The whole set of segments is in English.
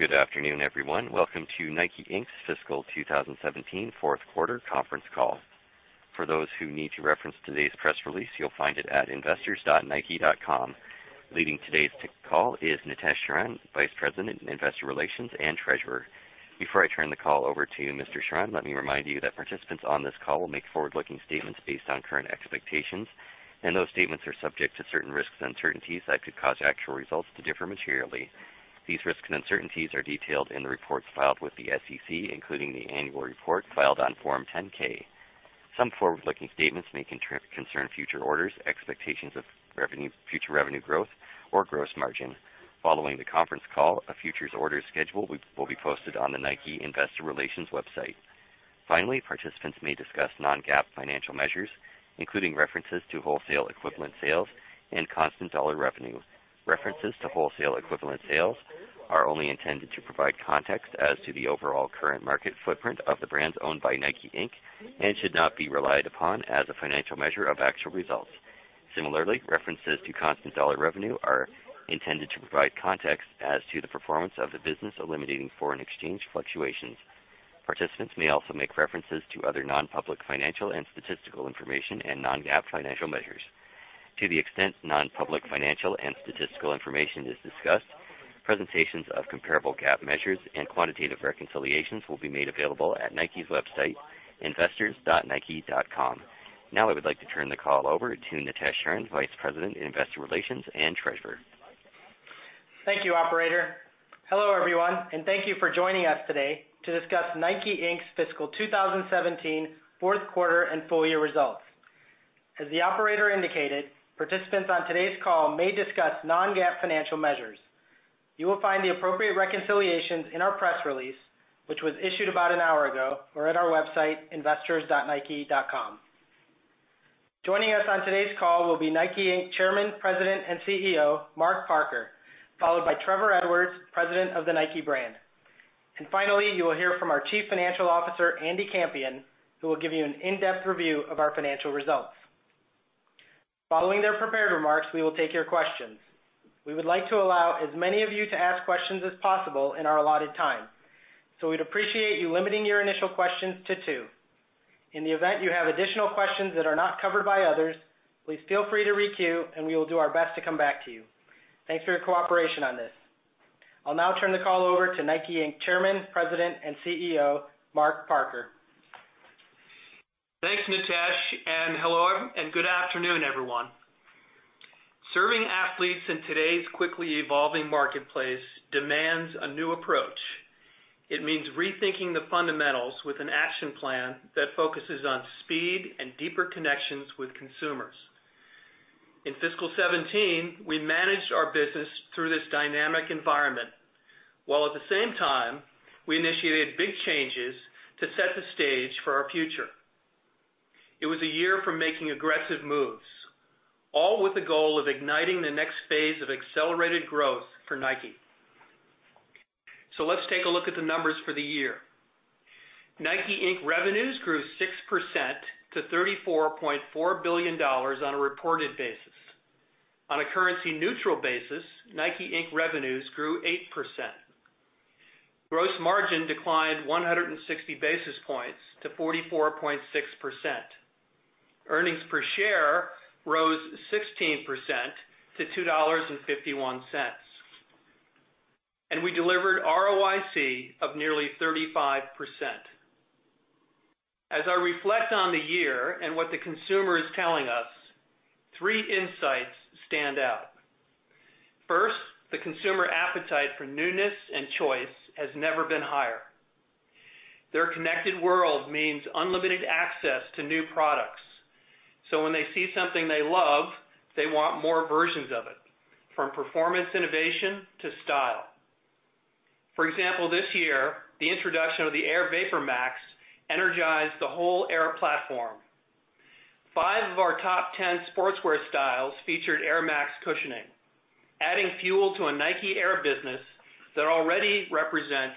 Good afternoon, everyone. Welcome to NIKE, Inc.'s fiscal 2017 fourth quarter conference call. For those who need to reference today's press release, you'll find it at investors.nike.com. Leading today's call is Nitesh Sharan, Vice President, Investor Relations and Treasurer. Before I turn the call over to Mr. Sharan, let me remind you that participants on this call will make forward-looking statements based on current expectations. Those statements are subject to certain risks and uncertainties that could cause actual results to differ materially. These risks and uncertainties are detailed in the reports filed with the SEC, including the annual report filed on Form 10-K. Some forward-looking statements may concern future orders, expectations of future revenue growth or gross margin. Following the conference call, a futures orders schedule will be posted on the Nike investor relations website. Participants may discuss non-GAAP financial measures, including references to wholesale equivalent sales and constant dollar revenue. References to wholesale equivalent sales are only intended to provide context as to the overall current market footprint of the brands owned by NIKE, Inc. Should not be relied upon as a financial measure of actual results. Similarly, references to constant dollar revenue are intended to provide context as to the performance of the business, eliminating foreign exchange fluctuations. Participants may also make references to other non-public financial and statistical information and non-GAAP financial measures. To the extent non-public financial and statistical information is discussed, presentations of comparable GAAP measures and quantitative reconciliations will be made available at Nike's website, investors.nike.com. Now I would like to turn the call over to Nitesh Sharan, Vice President, Investor Relations and Treasurer. Thank you, operator. Hello, everyone, and thank you for joining us today to discuss NIKE, Inc.'s fiscal 2017 fourth quarter and full-year results. As the operator indicated, participants on today's call may discuss non-GAAP financial measures. You will find the appropriate reconciliations in our press release, which was issued about an hour ago, or at our website, investors.nike.com. Joining us on today's call will be NIKE, Inc. Chairman, President, and CEO, Mark Parker, followed by Trevor Edwards, President of the NIKE Brand. Finally, you will hear from our Chief Financial Officer, Andy Campion, who will give you an in-depth review of our financial results. Following their prepared remarks, we will take your questions. We would like to allow as many of you to ask questions as possible in our allotted time. We'd appreciate you limiting your initial questions to two. In the event you have additional questions that are not covered by others, please feel free to re-queue. We will do our best to come back to you. Thanks for your cooperation on this. I'll now turn the call over to NIKE, Inc. Chairman, President, and CEO, Mark Parker. Thanks, Nitesh. Hello and good afternoon, everyone. Serving athletes in today's quickly evolving marketplace demands a new approach. It means rethinking the fundamentals with an action plan that focuses on speed and deeper connections with consumers. In fiscal 2017, we managed our business through this dynamic environment, while at the same time, we initiated big changes to set the stage for our future. It was a year for making aggressive moves, all with the goal of igniting the next phase of accelerated growth for Nike. Let's take a look at the numbers for the year. NIKE, Inc. revenues grew 6% to $34.4 billion on a reported basis. On a currency-neutral basis, NIKE, Inc. revenues grew 8%. Gross margin declined 160 basis points to 44.6%. Earnings per share rose 16% to $2.51. We delivered ROIC of nearly 35%. As I reflect on the year and what the consumer is telling us, three insights stand out. First, the consumer appetite for newness and choice has never been higher. Their connected world means unlimited access to new products. When they see something they love, they want more versions of it, from performance innovation to style. For example, this year, the introduction of the Air VaporMax energized the whole Air platform. five of our top 10 Sportswear styles featured Air Max cushioning, adding fuel to a Nike Air business that already represents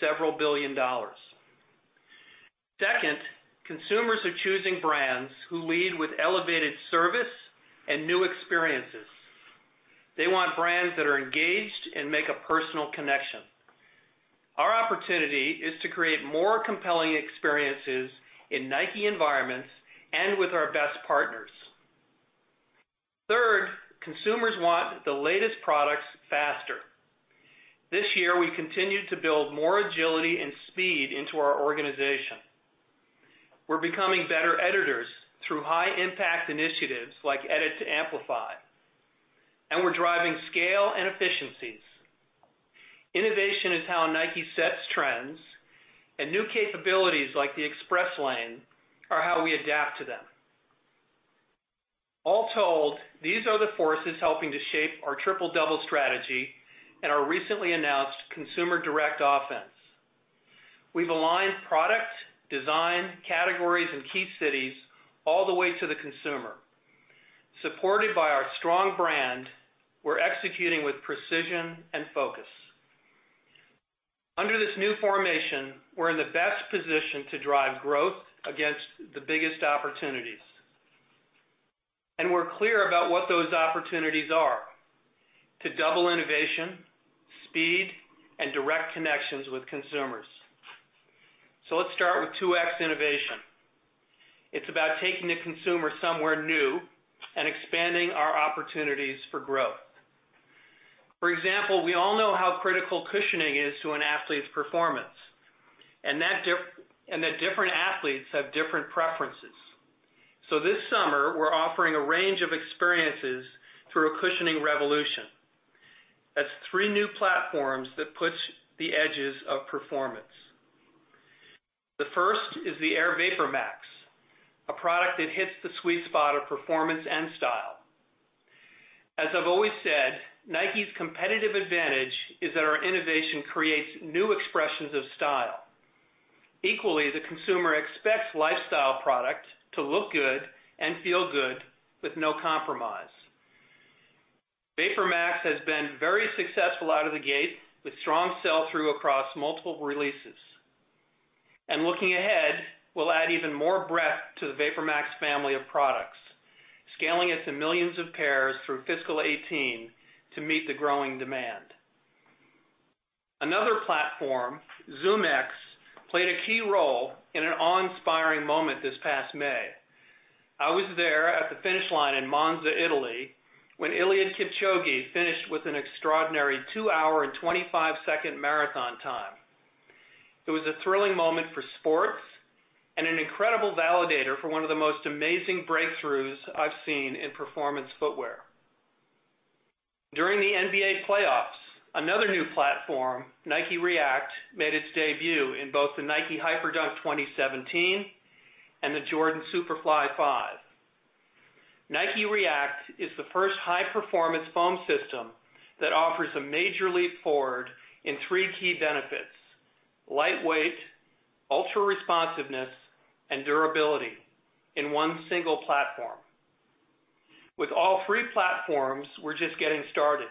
several billion dollars. Second, consumers are choosing brands who lead with elevated service and new experiences. They want brands that are engaged and make a personal connection. Our opportunity is to create more compelling experiences in Nike environments and with our best partners. Third, consumers want the latest products faster. This year, we continued to build more agility and speed into our organization. We're becoming better editors through high-impact initiatives like Edit to Amplify. We're driving scale and efficiencies. Innovation is how Nike sets trends, and new capabilities like the Express Lane are how we adapt to them. All told, these are the forces helping to shape our Triple Double strategy and our recently announced Consumer Direct Offense. We've aligned product, design, categories in key cities all the way to the consumer. Supported by our strong brand, we're executing with precision and focus. Under this new formation, we're in the best position to drive growth against the biggest opportunities. We're clear about what those opportunities are. To double innovation, speed, and direct connections with consumers. Let's start with 2X innovation. It's about taking the consumer somewhere new and expanding our opportunities for growth. For example, we all know how critical cushioning is to an athlete's performance and that different athletes have different preferences. This summer, we're offering a range of experiences through a cushioning revolution. That's three new platforms that push the edges of performance. The first is the Air VaporMax, a product that hits the sweet spot of performance and style. As I've always said, Nike's competitive advantage is that our innovation creates new expressions of style. Equally, the consumer expects lifestyle products to look good and feel good with no compromise. VaporMax has been very successful out of the gate, with strong sell-through across multiple releases. Looking ahead, we'll add even more breadth to the VaporMax family of products, scaling it to millions of pairs through fiscal 2018 to meet the growing demand. Another platform, ZoomX, played a key role in an awe-inspiring moment this past May. I was there at the finish line in Monza, Italy, when Eliud Kipchoge finished with an extraordinary 2 hours and 25 seconds marathon time. It was a thrilling moment for sports and an incredible validator for one of the most amazing breakthroughs I've seen in performance footwear. During the NBA playoffs, another new platform, Nike React, made its debut in both the Nike Hyperdunk 2017 and the Jordan Super.Fly 5. Nike React is the first high-performance foam system that offers a major leap forward in three key benefits: lightweight, ultra-responsiveness, and durability in one single platform. With all three platforms, we're just getting started.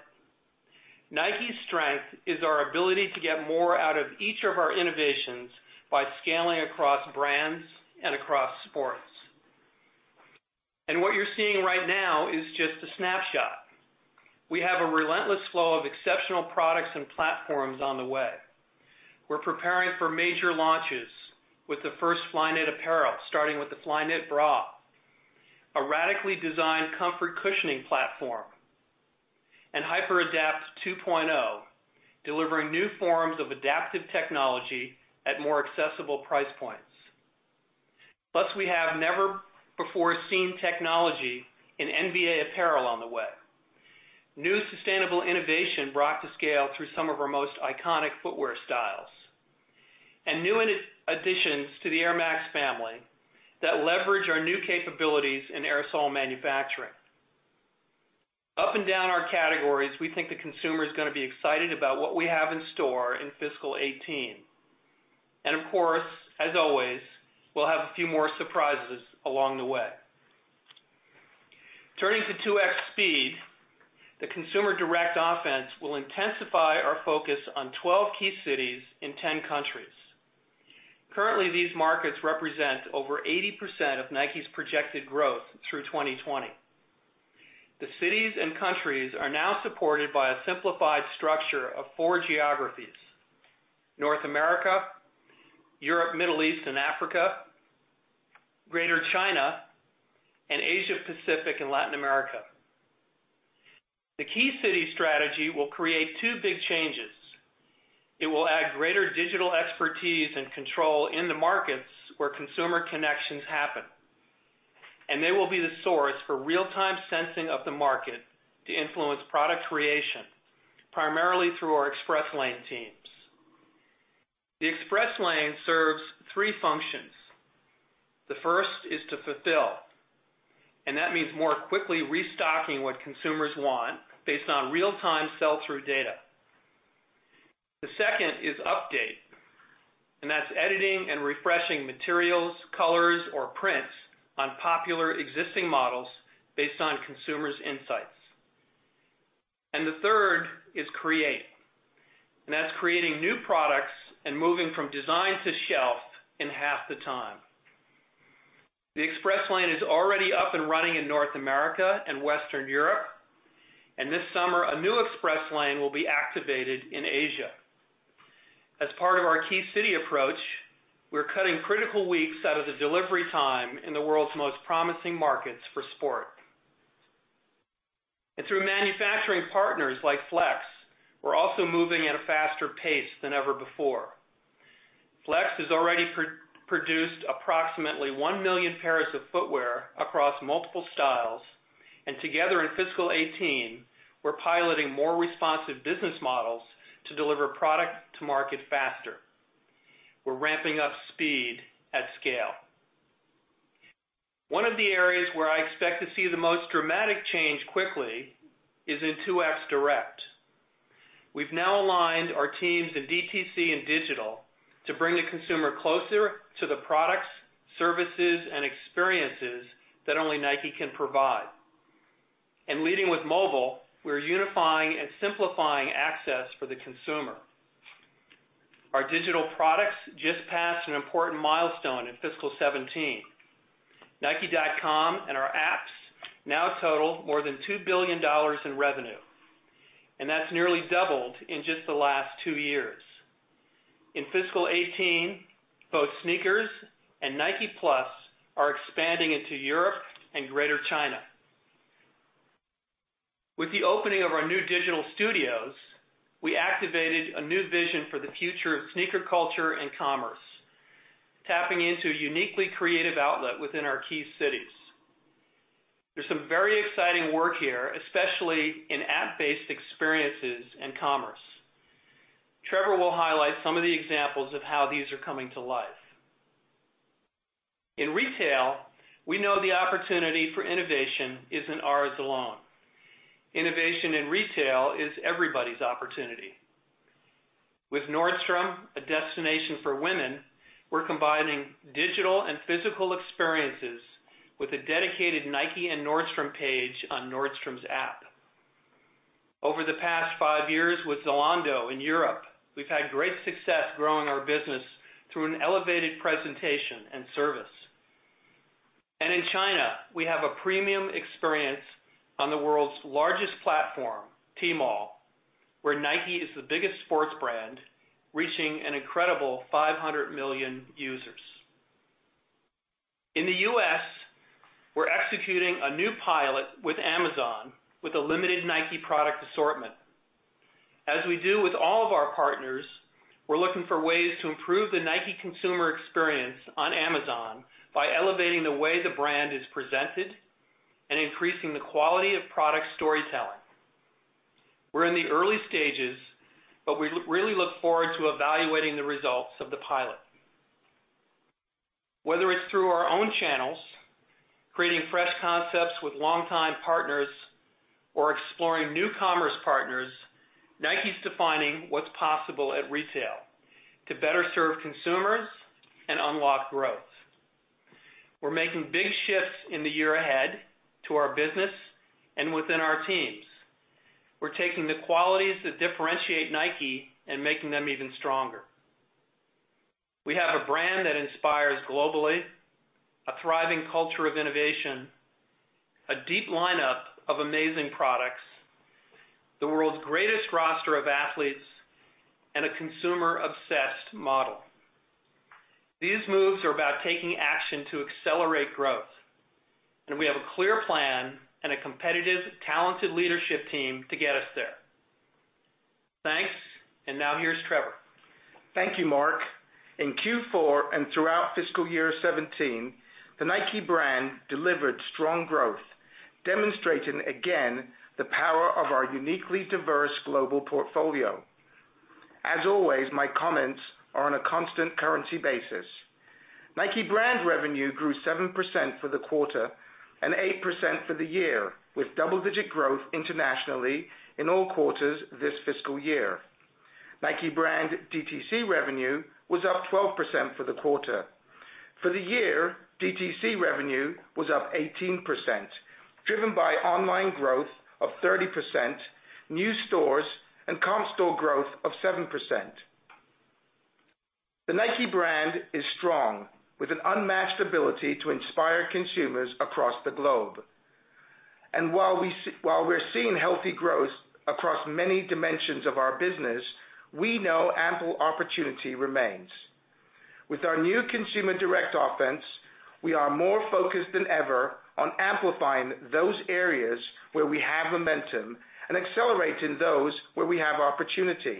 Nike's strength is our ability to get more out of each of our innovations by scaling across brands and across sports. What you're seeing right now is just a snapshot. We have a relentless flow of exceptional products and platforms on the way. We're preparing for major launches with the first Flyknit apparel, starting with the Flyknit bra, a radically designed comfort cushioning platform, and HyperAdapt 2.0, delivering new forms of adaptive technology at more accessible price points. Plus, we have never-before-seen technology in NBA apparel on the way. New sustainable innovation brought to scale through some of our most iconic footwear styles. New additions to the Air Max family that leverage our new capabilities in aerosol manufacturing. Up and down our categories, we think the consumer is going to be excited about what we have in store in fiscal 2018. Of course, as always, we'll have a few more surprises along the way. Turning to 2X Speed, the consumer-direct offense will intensify our focus on 12 key cities in 10 countries. Currently, these markets represent over 80% of Nike's projected growth through 2020. The cities and countries are now supported by a simplified structure of four geographies: North America, Europe, Middle East, and Africa, Greater China, and Asia Pacific and Latin America. The key city strategy will create two big changes. It will add greater digital expertise and control in the markets where consumer connections happen. They will be the source for real-time sensing of the market to influence product creation, primarily through our Express Lane teams. The Express Lane serves three functions. The first is to fulfill, and that means more quickly restocking what consumers want based on real-time sell-through data. The second is update, and that's editing and refreshing materials, colors, or prints on popular existing models based on consumers' insights. The third is create, and that's creating new products and moving from design to shelf in half the time. The Express Lane is already up and running in North America and Western Europe. This summer, a new Express Lane will be activated in Asia. As part of our key city approach, we're cutting critical weeks out of the delivery time in the world's most promising markets for sport. Through manufacturing partners like Flex, we're also moving at a faster pace than ever before. Flex has already produced approximately one million pairs of footwear across multiple styles. Together in fiscal 2018, we're piloting more responsive business models to deliver product to market faster. We're ramping up speed at scale. One of the areas where I expect to see the most dramatic change quickly is in 2X Direct. We've now aligned our teams in DTC and digital to bring the consumer closer to the products, services, and experiences that only Nike can provide. Leading with mobile, we're unifying and simplifying access for the consumer. Our digital products just passed an important milestone in fiscal 2017. nike.com and our apps now total more than $2 billion in revenue, and that's nearly doubled in just the last two years. In fiscal 2018, both SNKRS and Nike+ are expanding into Europe and Greater China. With the opening of our new digital studios, we activated a new vision for the future of sneaker culture and commerce, tapping into a uniquely creative outlet within our key cities. There's some very exciting work here, especially in app-based experiences and commerce. Trevor will highlight some of the examples of how these are coming to life. In retail, we know the opportunity for innovation isn't ours alone. Innovation in retail is everybody's opportunity. With Nordstrom, a destination for women, we're combining digital and physical experiences with a dedicated Nike and Nordstrom page on Nordstrom's app. Over the past five years with Zalando in Europe, we've had great success growing our business through an elevated presentation and service. In China, we have a premium experience on the world's largest platform, Tmall, where Nike is the biggest sports brand, reaching an incredible 500 million users. In the U.S., we're executing a new pilot with Amazon with a limited Nike product assortment. As we do with all of our partners, we're looking for ways to improve the Nike consumer experience on Amazon by elevating the way the brand is presented and increasing the quality of product storytelling. We're in the early stages, but we really look forward to evaluating the results of the pilot. Whether it's through our own channels, creating fresh concepts with longtime partners, or exploring new commerce partners, Nike's defining what's possible at retail to better serve consumers and unlock growth. We're making big shifts in the year ahead to our business and within our teams. We're taking the qualities that differentiate Nike and making them even stronger. We have a brand that inspires globally, a thriving culture of innovation, a deep lineup of amazing products, the world's greatest roster of athletes, and a consumer-obsessed model. These moves are about taking action to accelerate growth, and we have a clear plan and a competitive, talented leadership team to get us there. Thanks. Now here's Trevor. Thank you, Mark. In Q4 and throughout fiscal year 2017, the Nike brand delivered strong growth, demonstrating again the power of our uniquely diverse global portfolio. As always, my comments are on a constant currency basis. NIKE brand revenue grew 7% for the quarter and 8% for the year, with double-digit growth internationally in all quarters this fiscal year. NIKE brand DTC revenue was up 12% for the quarter. For the year, DTC revenue was up 18%, driven by online growth of 30%, new stores, and comp store growth of 7%. The NIKE brand is strong, with an unmatched ability to inspire consumers across the globe. While we're seeing healthy growth across many dimensions of our business, we know ample opportunity remains. With our new Consumer-Direct Offense, we are more focused than ever on amplifying those areas where we have momentum and accelerating those where we have opportunity.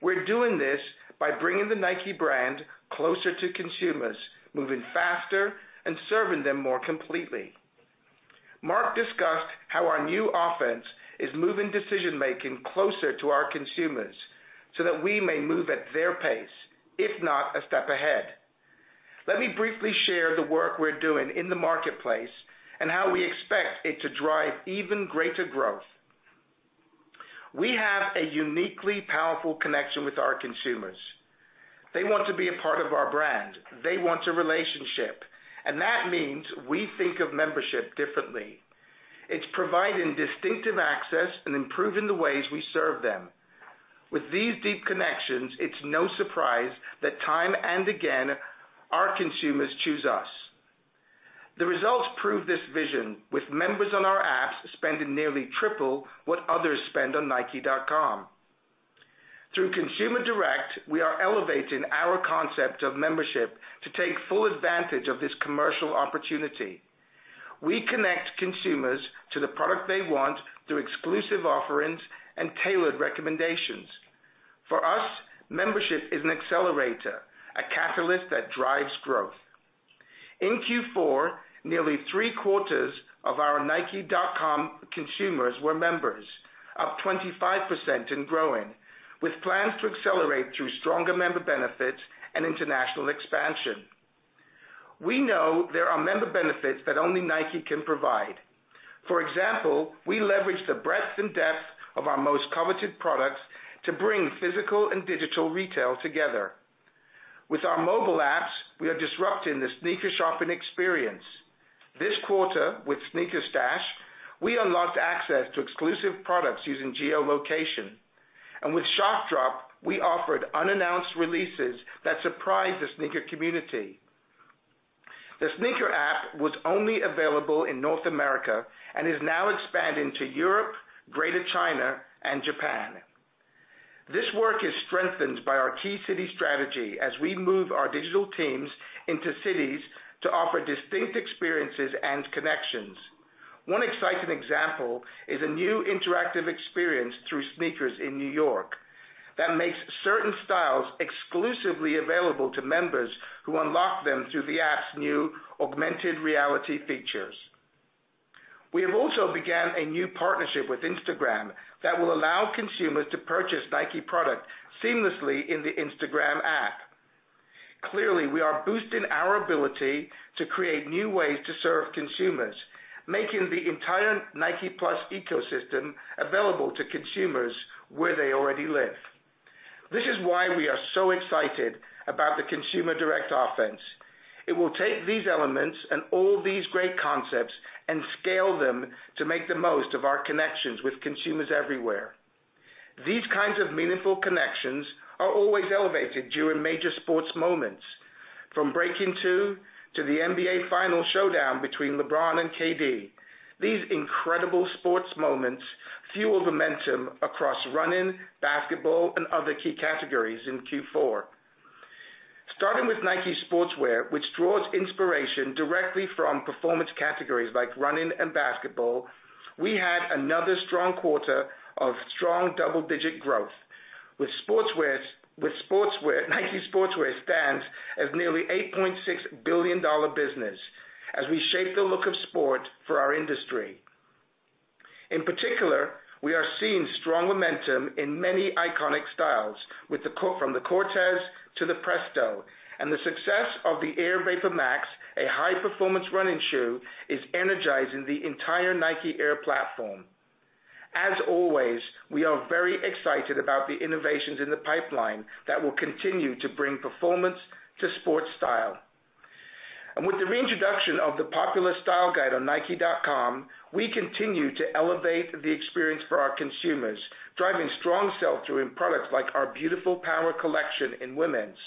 We're doing this by bringing the NIKE brand closer to consumers, moving faster, and serving them more completely. Mark discussed how our new offense is moving decision-making closer to our consumers so that we may move at their pace, if not a step ahead. Let me briefly share the work we're doing in the marketplace and how we expect it to drive even greater growth. We have a uniquely powerful connection with our consumers. They want to be a part of our brand. They want a relationship. That means we think of membership differently. It's providing distinctive access and improving the ways we serve them. With these deep connections, it's no surprise that time and again, our consumers choose us. The results prove this vision, with members on our apps spending nearly triple what others spend on nike.com. Through Consumer Direct, we are elevating our concept of membership to take full advantage of this commercial opportunity. We connect consumers to the product they want through exclusive offerings and tailored recommendations. For us, membership is an accelerator, a catalyst that drives growth. In Q4, nearly three-quarters of our nike.com consumers were members, up 25% and growing, with plans to accelerate through stronger member benefits and international expansion. We know there are member benefits that only Nike can provide. For example, we leverage the breadth and depth of our most coveted products to bring physical and digital retail together. With our mobile apps, we are disrupting the sneaker shopping experience. This quarter, with SNKRS Stash, we unlocked access to exclusive products using geolocation, and with Shock Drop, we offered unannounced releases that surprised the sneaker community. The SNKRS app was only available in North America and is now expanding to Europe, Greater China and Japan. This work is strengthened by our key city strategy as we move our digital teams into cities to offer distinct experiences and connections. One exciting example is a new interactive experience through SNKRS in New York that makes certain styles exclusively available to members who unlock them through the app's new augmented reality features. We have also began a new partnership with Instagram that will allow consumers to purchase Nike product seamlessly in the Instagram app. Clearly, we are boosting our ability to create new ways to serve consumers, making the entire Nike+ ecosystem available to consumers where they already live. This is why we are so excited about the Consumer Direct Offense. It will take these elements and all these great concepts and scale them to make the most of our connections with consumers everywhere. These kinds of meaningful connections are always elevated during major sports moments. From Breaking2 to the NBA Finals showdown between LeBron and KD, these incredible sports moments fuel momentum across running, basketball and other key categories in Q4. Starting with Nike Sportswear, which draws inspiration directly from performance categories like running and basketball, we had another strong quarter of strong double-digit growth. With Nike Sportswear stands as nearly $8.6 billion business as we shape the look of sport for our industry. In particular, we are seeing strong momentum in many iconic styles from the Cortez to the Presto, and the success of the Air VaporMax, a high-performance running shoe, is energizing the entire Nike Air platform. As always, we are very excited about the innovations in the pipeline that will continue to bring performance to sport style. With the reintroduction of the popular style guide on nike.com, we continue to elevate the experience for our consumers, driving strong sell-through in products like our beautiful Power Collection in women's.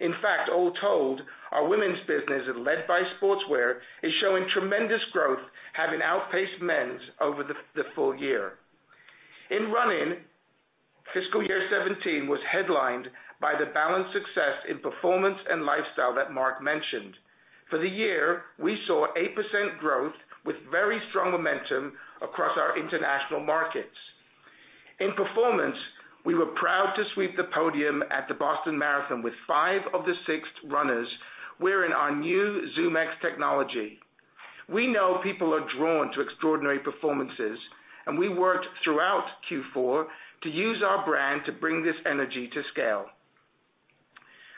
In fact, all told, our women's business, led by Sportswear, is showing tremendous growth, having outpaced men's over the full year. In running, fiscal year 2017 was headlined by the balanced success in performance and lifestyle that Mark mentioned. For the year, we saw 8% growth with very strong momentum across our international markets. In performance, we were proud to sweep the podium at the Boston Marathon with five of the six runners wearing our new ZoomX technology. We know people are drawn to extraordinary performances, and we worked throughout Q4 to use our brand to bring this energy to scale.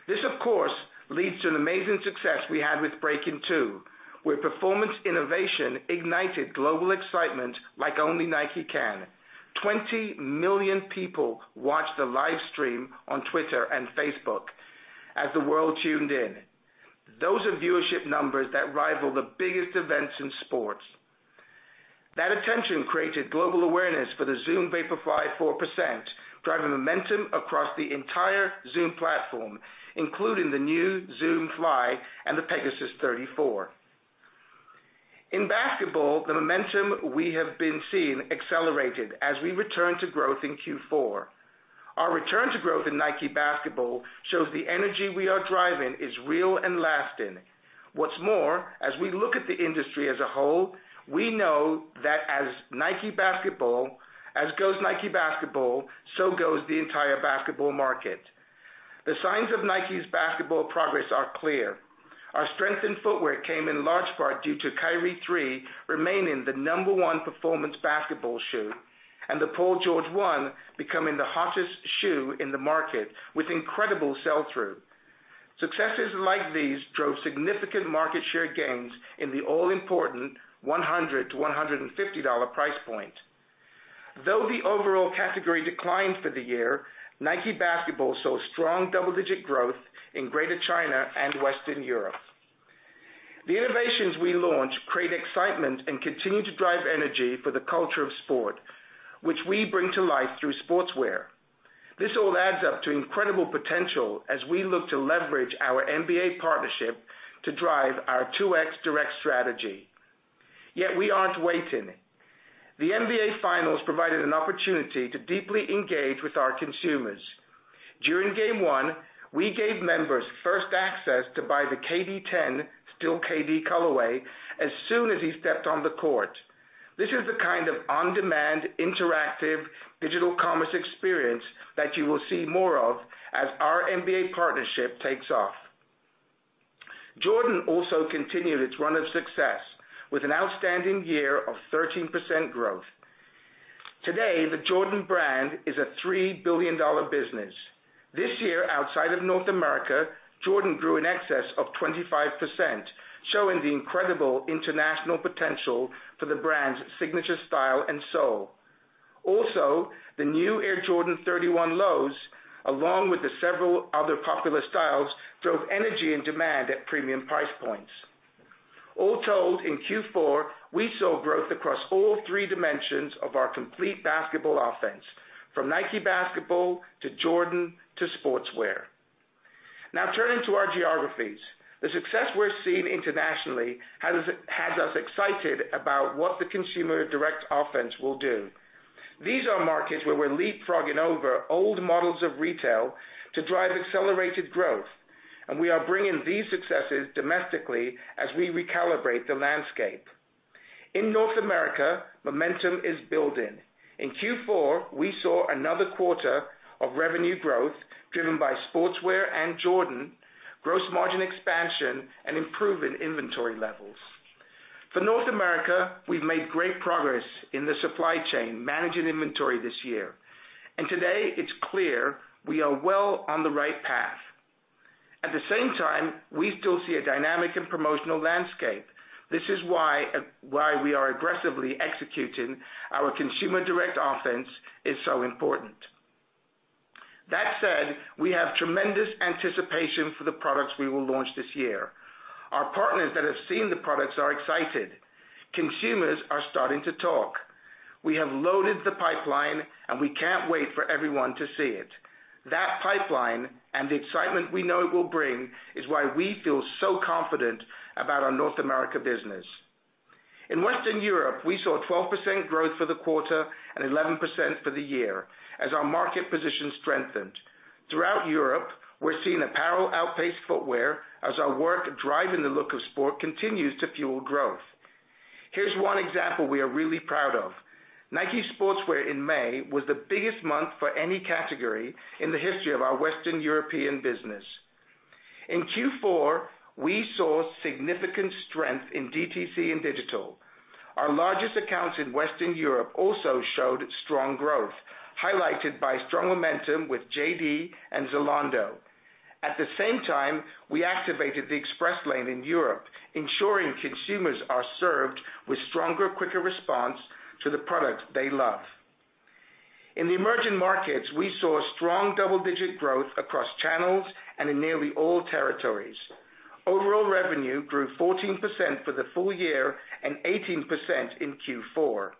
This, of course, leads to an amazing success we had with Breaking2, where performance innovation ignited global excitement like only Nike can. 20 million people watched the live stream on Twitter and Facebook as the world tuned in. Those are viewership numbers that rival the biggest events in sports. That attention created global awareness for the Zoom Vaporfly 4%, driving momentum across the entire Zoom platform, including the new Zoom Fly and the Pegasus 34. In basketball, the momentum we have been seeing accelerated as we return to growth in Q4. Our return to growth in Nike Basketball shows the energy we are driving is real and lasting. What's more, as we look at the industry as a whole, we know that as goes Nike Basketball, so goes the entire basketball market. The signs of Nike's basketball progress are clear. Our strength in footwear came in large part due to Kyrie 3 remaining the number one performance basketball shoe, and the Paul George 1 becoming the hottest shoe in the market, with incredible sell-through. Successes like these drove significant market share gains in the all-important $100-$150 price point. Though the overall category declined for the year, Nike Basketball saw strong double-digit growth in Greater China and Western Europe. The innovations we launch create excitement and continue to drive energy for the culture of sport, which we bring to life through Sportswear. This all adds up to incredible potential as we look to leverage our NBA partnership to drive our 2X direct strategy. We aren't waiting. The NBA finals provided an opportunity to deeply engage with our consumers. During game one, we gave members first access to buy the KD 10, "Still KD" colorway, as soon as he stepped on the court. This is the kind of on-demand, interactive digital commerce experience that you will see more of as our NBA partnership takes off. Jordan also continued its run of success with an outstanding year of 13% growth. Today, the Jordan Brand is a $3 billion business. This year, outside of North America, Jordan grew in excess of 25%, showing the incredible international potential for the brand's signature style and soul. Also, the new Air Jordan 31 Lows, along with several other popular styles, drove energy and demand at premium price points. All told, in Q4, we saw growth across all three dimensions of our complete basketball offense, from Nike Basketball to Jordan to Sportswear. Turning to our geographies. The success we're seeing internationally has us excited about what the Consumer-Direct Offense will do. These are markets where we're leapfrogging over old models of retail to drive accelerated growth. We are bringing these successes domestically as we recalibrate the landscape. In North America, momentum is building. In Q4, we saw another quarter of revenue growth driven by Nike Sportswear and Jordan, gross margin expansion, and improvement in inventory levels. For North America, we've made great progress in the supply chain, managing inventory this year. Today, it's clear we are well on the right path. At the same time, we still see a dynamic and promotional landscape. This is why we are aggressively executing our Consumer-Direct Offense is so important. That said, we have tremendous anticipation for the products we will launch this year. Our partners that have seen the products are excited. Consumers are starting to talk. We have loaded the pipeline. We can't wait for everyone to see it. That pipeline and the excitement we know it will bring is why we feel so confident about our North America business. In Western Europe, we saw 12% growth for the quarter and 11% for the year as our market position strengthened. Throughout Europe, we're seeing apparel outpace footwear as our work driving the look of sport continues to fuel growth. Here's one example we are really proud of. Nike Sportswear in May was the biggest month for any category in the history of our Western European business. In Q4, we saw significant strength in DTC and digital. Our largest accounts in Western Europe also showed strong growth, highlighted by strong momentum with JD and Zalando. At the same time, we activated the Express Lane in Europe, ensuring consumers are served with stronger, quicker response to the products they love. In the emerging markets, we saw strong double-digit growth across channels and in nearly all territories. Overall revenue grew 14% for the full year and 18% in Q4.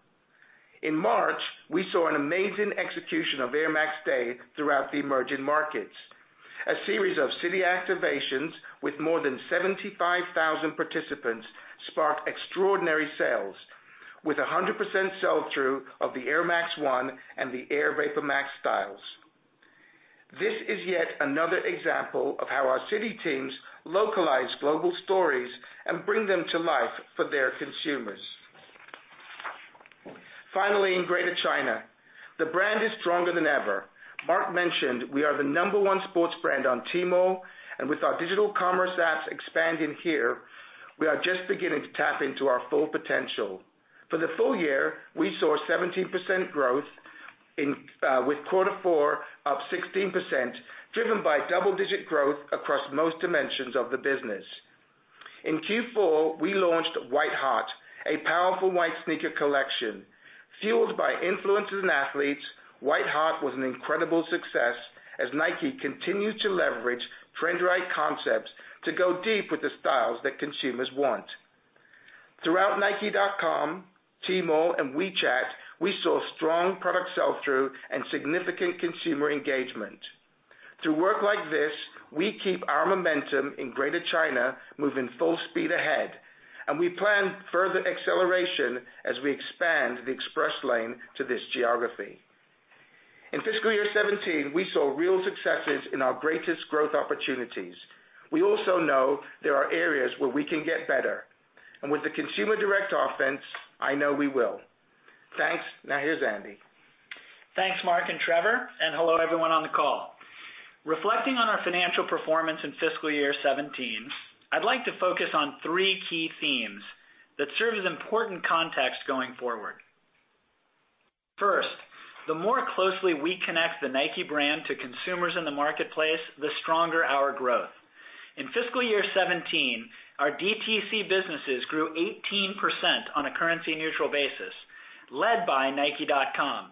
In March, we saw an amazing execution of Air Max Day throughout the emerging markets. A series of city activations with more than 75,000 participants sparked extraordinary sales with 100% sell-through of the Air Max 1 and the Air VaporMax styles. This is yet another example of how our city teams localize global stories and bring them to life for their consumers. In Greater China, the brand is stronger than ever. Mark mentioned we are the number one sports brand on Tmall. With our digital commerce apps expanding here, we are just beginning to tap into our full potential. For the full year, we saw 17% growth, with quarter four up 16%, driven by double-digit growth across most dimensions of the business. In Q4, we launched White Hot, a powerful white sneaker collection. Fueled by influencers and athletes, White Hot was an incredible success as Nike continued to leverage trend-right concepts to go deep with the styles that consumers want. Throughout nike.com, Tmall and WeChat, we saw strong product sell-through and significant consumer engagement. Through work like this, we keep our momentum in Greater China moving full speed ahead. We plan further acceleration as we expand the Express Lane to this geography. In fiscal year 2017, we saw real successes in our greatest growth opportunities. We also know there are areas where we can get better, and with the consumer-direct offense, I know we will. Thanks. Now, here's Andy. Thanks, Mark and Trevor, and hello everyone on the call. Reflecting on our financial performance in fiscal year 2017, I'd like to focus on three key themes that serve as important context going forward. First, the more closely we connect the Nike brand to consumers in the marketplace, the stronger our growth. In fiscal year 2017, our DTC businesses grew 18% on a currency-neutral basis, led by nike.com.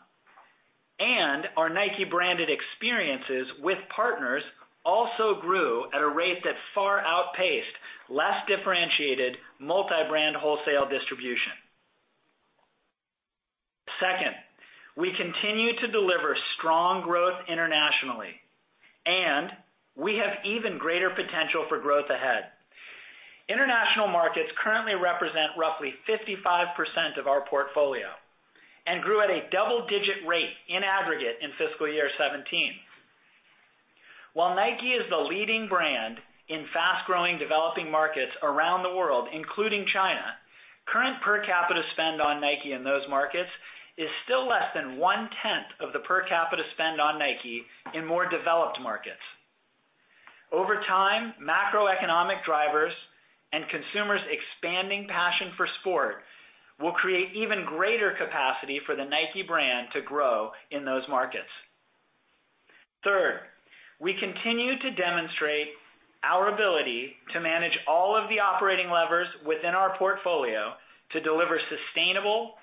Our Nike-branded experiences with partners also grew at a rate that far outpaced less differentiated multi-brand wholesale distribution. Second, we continue to deliver strong growth internationally, and we have even greater potential for growth ahead. International markets currently represent roughly 55% of our portfolio and grew at a double-digit rate in aggregate in fiscal year 2017. While Nike is the leading brand in fast-growing developing markets around the world, including China, current per capita spend on Nike in those markets is still less than one-tenth of the per capita spend on Nike in more developed markets. Over time, macroeconomic drivers and consumers' expanding passion for sport will create even greater capacity for the NIKE brand to grow in those markets. We continue to demonstrate our ability to manage all of the operating levers within our portfolio to deliver sustainable,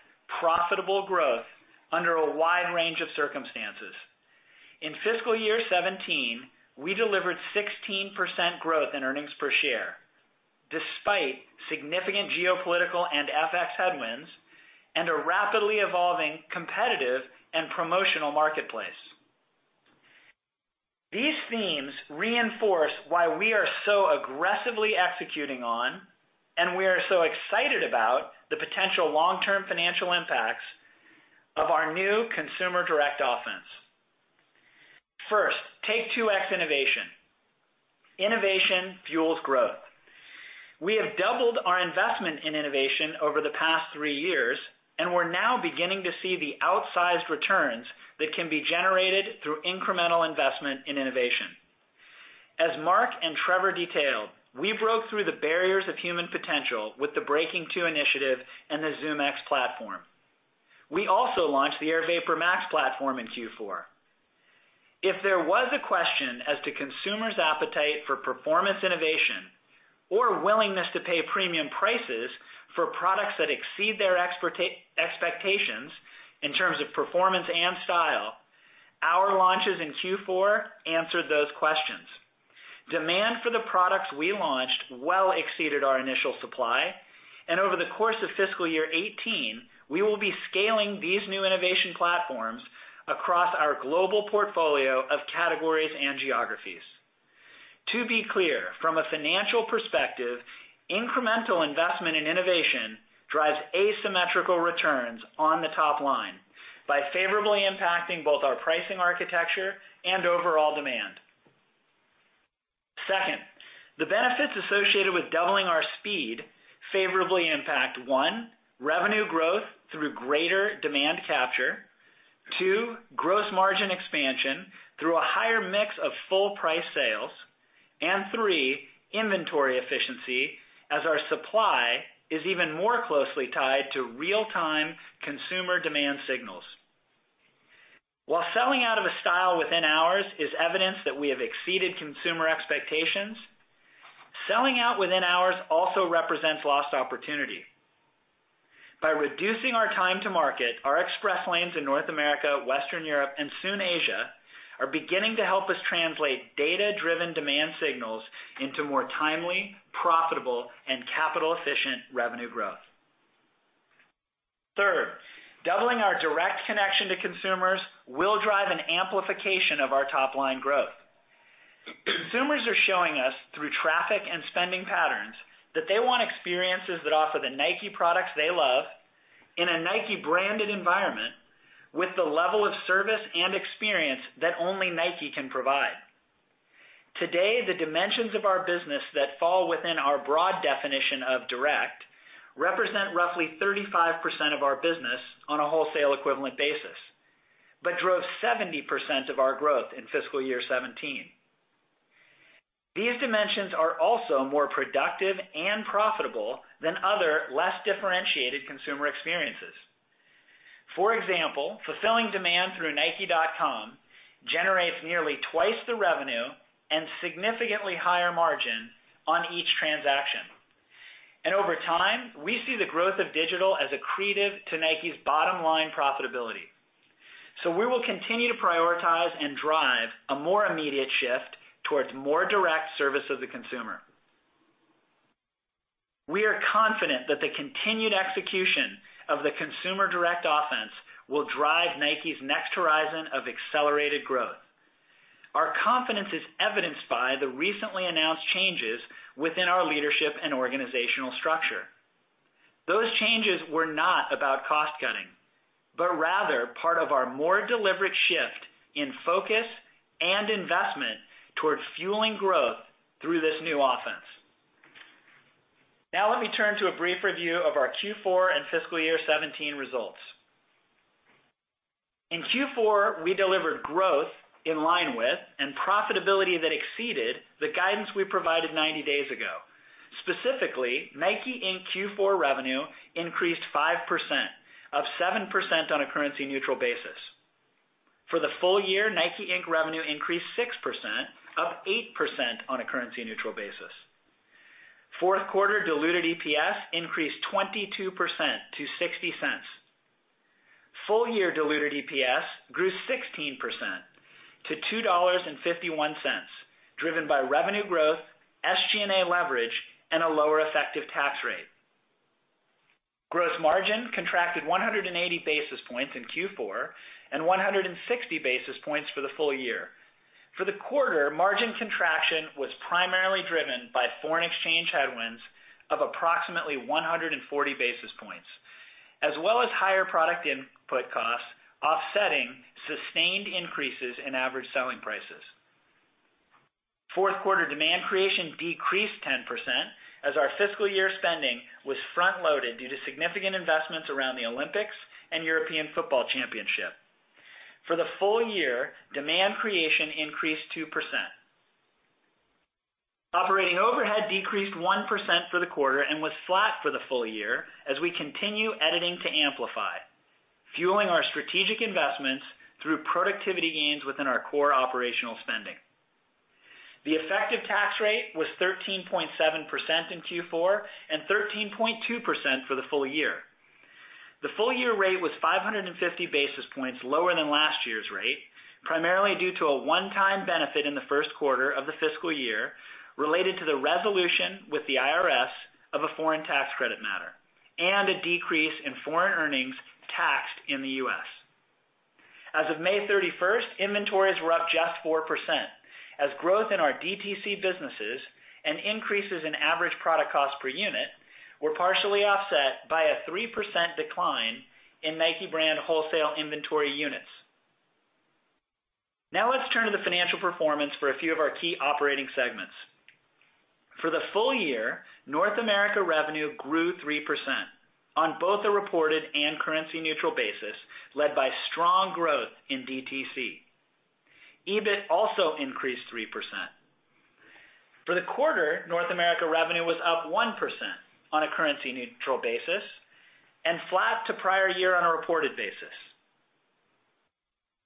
profitable growth under a wide range of circumstances. In fiscal year 2017, we delivered 16% growth in earnings per share despite significant geopolitical and FX headwinds and a rapidly evolving competitive and promotional marketplace. These themes reinforce why we are so aggressively executing on, and we are so excited about the potential long-term financial impacts of our new consumer-direct offense. First, take 2X Innovation. Innovation fuels growth. We have doubled our investment in innovation over the past three years, and we're now beginning to see the outsized returns that can be generated through incremental investment in innovation. As Mark and Trevor detailed, we broke through the barriers of human potential with the Breaking2 initiative and the ZoomX platform. We also launched the Air VaporMax platform in Q4. If there was a question as to consumers' appetite for performance innovation or willingness to pay premium prices for products that exceed their expectations in terms of performance and style, our launches in Q4 answered those questions. Demand for the products we launched well exceeded our initial supply. Over the course of fiscal year 2018, we will be scaling these new innovation platforms across our global portfolio of categories and geographies. To be clear, from a financial perspective, incremental investment in innovation drives asymmetrical returns on the top line by favorably impacting both our pricing architecture and overall demand. Second, the benefits associated with doubling our speed favorably impact, one, revenue growth through greater demand capture. Two, gross margin expansion through a higher mix of full price sales. Three, inventory efficiency, as our supply is even more closely tied to real-time consumer demand signals. While selling out of a style within hours is evidence that we have exceeded consumer expectations, selling out within hours also represents lost opportunity. By reducing our time to market, our Express Lanes in North America, Western Europe, and soon Asia, are beginning to help us translate data-driven demand signals into more timely, profitable, and capital-efficient revenue growth. Third, doubling our direct connection to consumers will drive an amplification of our top-line growth. Consumers are showing us through traffic and spending patterns that they want experiences that offer the Nike products they love in a Nike-branded environment with the level of service and experience that only Nike can provide. Today, the dimensions of our business that fall within our broad definition of direct represent roughly 35% of our business on a wholesale equivalent basis, but drove 70% of our growth in FY 2017. These dimensions are also more productive and profitable than other less differentiated consumer experiences. For example, fulfilling demand through nike.com generates nearly twice the revenue and significantly higher margin on each transaction. Over time, we see the growth of digital as accretive to Nike's bottom-line profitability. We will continue to prioritize and drive a more immediate shift towards more direct service of the consumer. We are confident that the continued execution of the consumer-direct offense will drive Nike's next horizon of accelerated growth. Our confidence is evidenced by the recently announced changes within our leadership and organizational structure. Those changes were not about cost-cutting, but rather part of our more deliberate shift in focus and investment towards fueling growth through this new offense. Now let me turn to a brief review of our Q4 and FY 2017 results. In Q4, we delivered growth in line with and profitability that exceeded the guidance we provided 90 days ago. Specifically, NIKE, Inc. Q4 revenue increased 5%, up 7% on a currency-neutral basis. For the full year, NIKE, Inc. revenue increased 6%, up 8% on a currency-neutral basis. Fourth quarter diluted EPS increased 22% to $0.60. Full-year diluted EPS grew 16% to $2.51, driven by revenue growth, SG&A leverage, and a lower effective tax rate. Gross margin contracted 180 basis points in Q4 and 160 basis points for the full year. For the quarter, margin contraction was primarily driven by foreign exchange headwinds of approximately 140 basis points, as well as higher product input costs offsetting sustained increases in average selling prices. Fourth quarter demand creation decreased 10% as our fiscal year spending was front-loaded due to significant investments around the Olympics and European Football Championship. For the full year, demand creation increased 2%. Operating overhead decreased 1% for the quarter and was flat for the full year as we continue Edit to Amplify, fueling our strategic investments through productivity gains within our core operational spending. The effective tax rate was 13.7% in Q4 and 13.2% for the full year. The full-year rate was 550 basis points lower than last year's rate, primarily due to a one-time benefit in the first quarter of the fiscal year related to the resolution with the IRS of a foreign tax credit matter and a decrease in foreign earnings taxed in the U.S. As of May 31st, inventories were up just 4%, as growth in our DTC businesses and increases in average product cost per unit were partially offset by a 3% decline in NIKE Brand wholesale inventory units. Now let's turn to the financial performance for a few of our key operating segments. For the full year, North America revenue grew 3% on both a reported and currency-neutral basis, led by strong growth in DTC. EBIT also increased 3%. For the quarter, North America revenue was up 1% on a currency-neutral basis and flat to prior year on a reported basis.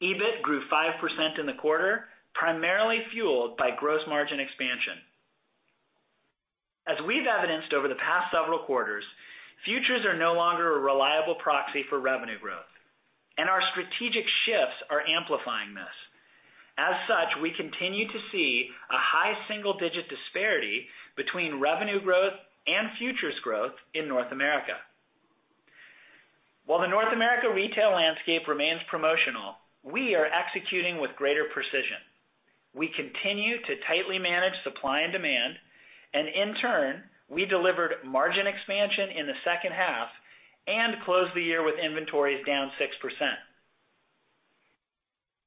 EBIT grew 5% in the quarter, primarily fueled by gross margin expansion. As we've evidenced over the past several quarters, futures are no longer a reliable proxy for revenue growth, and our strategic shifts are amplifying this. As such, we continue to see a high single-digit disparity between revenue growth and futures growth in North America. While the North America retail landscape remains promotional, we are executing with greater precision. We continue to tightly manage supply and demand, and in turn, we delivered margin expansion in the second half and closed the year with inventories down 6%.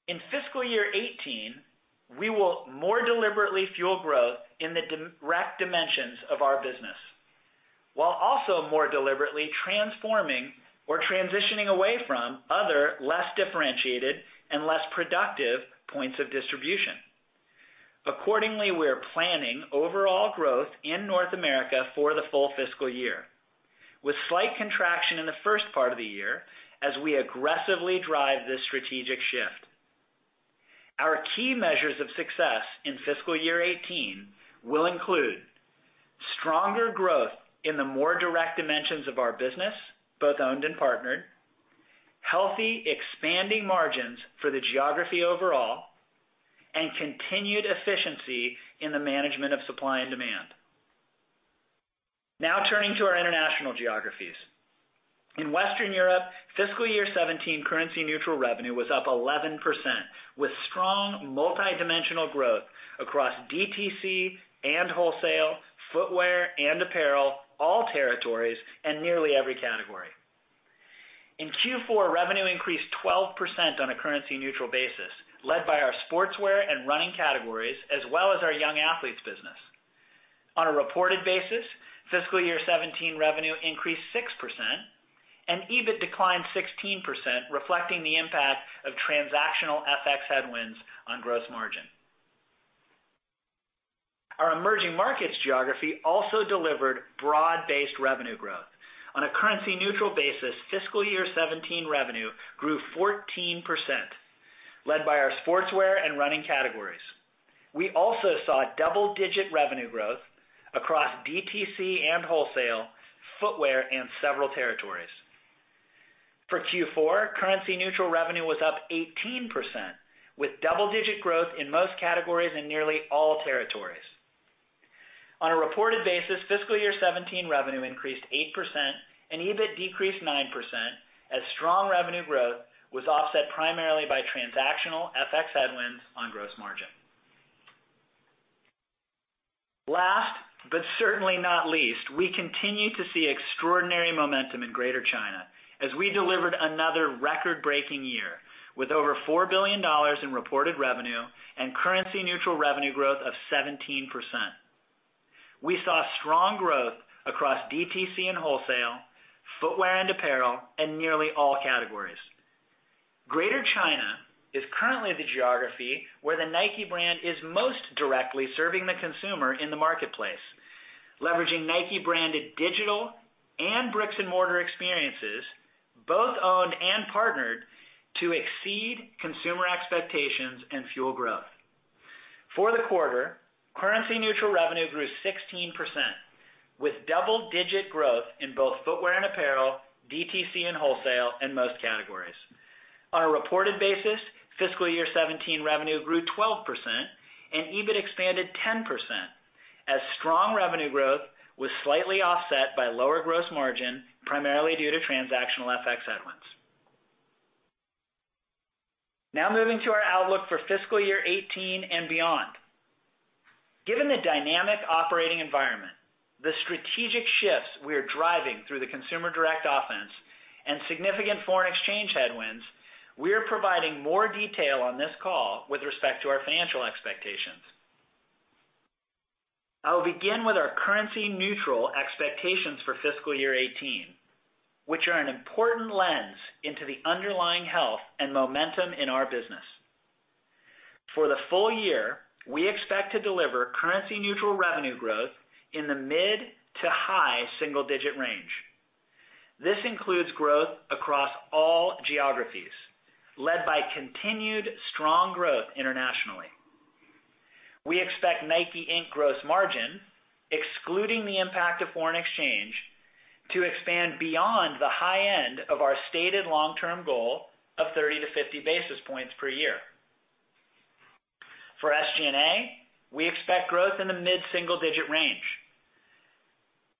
In fiscal year 2018, we will more deliberately fuel growth in the direct dimensions of our business, while also more deliberately transforming or transitioning away from other, less differentiated and less productive points of distribution. Accordingly, we are planning overall growth in North America for the full fiscal year with slight contraction in the first part of the year as we aggressively drive this strategic shift. Our key measures of success in fiscal year 2018 will include stronger growth in the more direct dimensions of our business, both owned and partnered, healthy expanding margins for the geography overall, and continued efficiency in the management of supply and demand. Now turning to our international geographies. In Western Europe, fiscal year 2017 currency neutral revenue was up 11%, with strong multidimensional growth across DTC and wholesale, footwear and apparel, all territories, and nearly every category. In Q4, revenue increased 12% on a currency neutral basis, led by our Sportswear and running categories as well as our Young Athletes business. On a reported basis, fiscal year 2017 revenue increased 6% and EBIT declined 16%, reflecting the impact of transactional FX headwinds on gross margin. Our emerging markets geography also delivered broad-based revenue growth. On a currency neutral basis, fiscal year 2017 revenue grew 14%, led by our Sportswear and running categories. We also saw double-digit revenue growth across DTC and wholesale, footwear, and several territories. For Q4, currency neutral revenue was up 18%, with double-digit growth in most categories in nearly all territories. On a reported basis, fiscal year 2017 revenue increased 8% and EBIT decreased 9%, as strong revenue growth was offset primarily by transactional FX headwinds on gross margin. Last but certainly not least, we continue to see extraordinary momentum in Greater China as we delivered another record-breaking year with over $4 billion in reported revenue and currency neutral revenue growth of 17%. We saw strong growth across DTC and wholesale, footwear and apparel, and nearly all categories. Greater China is currently the geography where the NIKE brand is most directly serving the consumer in the marketplace, leveraging NIKE branded digital and bricks-and-mortar experiences, both owned and partnered, to exceed consumer expectations and fuel growth. For the quarter, currency neutral revenue grew 16%, with double-digit growth in both footwear and apparel, DTC and wholesale, and most categories. On a reported basis, fiscal year 2017 revenue grew 12% and EBIT expanded 10%, as strong revenue growth was slightly offset by lower gross margin, primarily due to transactional FX headwinds. Moving to our outlook for fiscal year 2018 and beyond. Given the dynamic operating environment, the strategic shifts we are driving through the Consumer Direct Offense and significant foreign exchange headwinds, we are providing more detail on this call with respect to our financial expectations. I will begin with our currency neutral expectations for fiscal year 2018, which are an important lens into the underlying health and momentum in our business. For the full year, we expect to deliver currency-neutral revenue growth in the mid to high single-digit range. This includes growth across all geographies, led by continued strong growth internationally. We expect NIKE, Inc. gross margin, excluding the impact of foreign exchange, to expand beyond the high end of our stated long-term goal of 30-50 basis points per year. For SG&A, we expect growth in the mid-single digit range.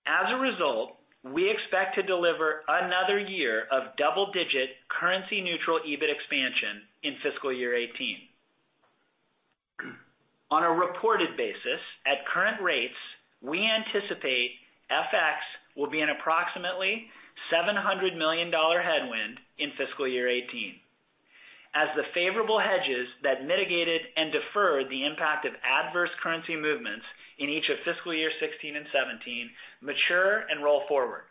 As a result, we expect to deliver another year of double-digit currency neutral EBIT expansion in fiscal year 2018. On a reported basis, at current rates, we anticipate FX will be an approximately $700 million headwind in fiscal year 2018, as the favorable hedges that mitigated and deferred the impact of adverse currency movements in each of fiscal year 2016 and 2017 mature and roll forward.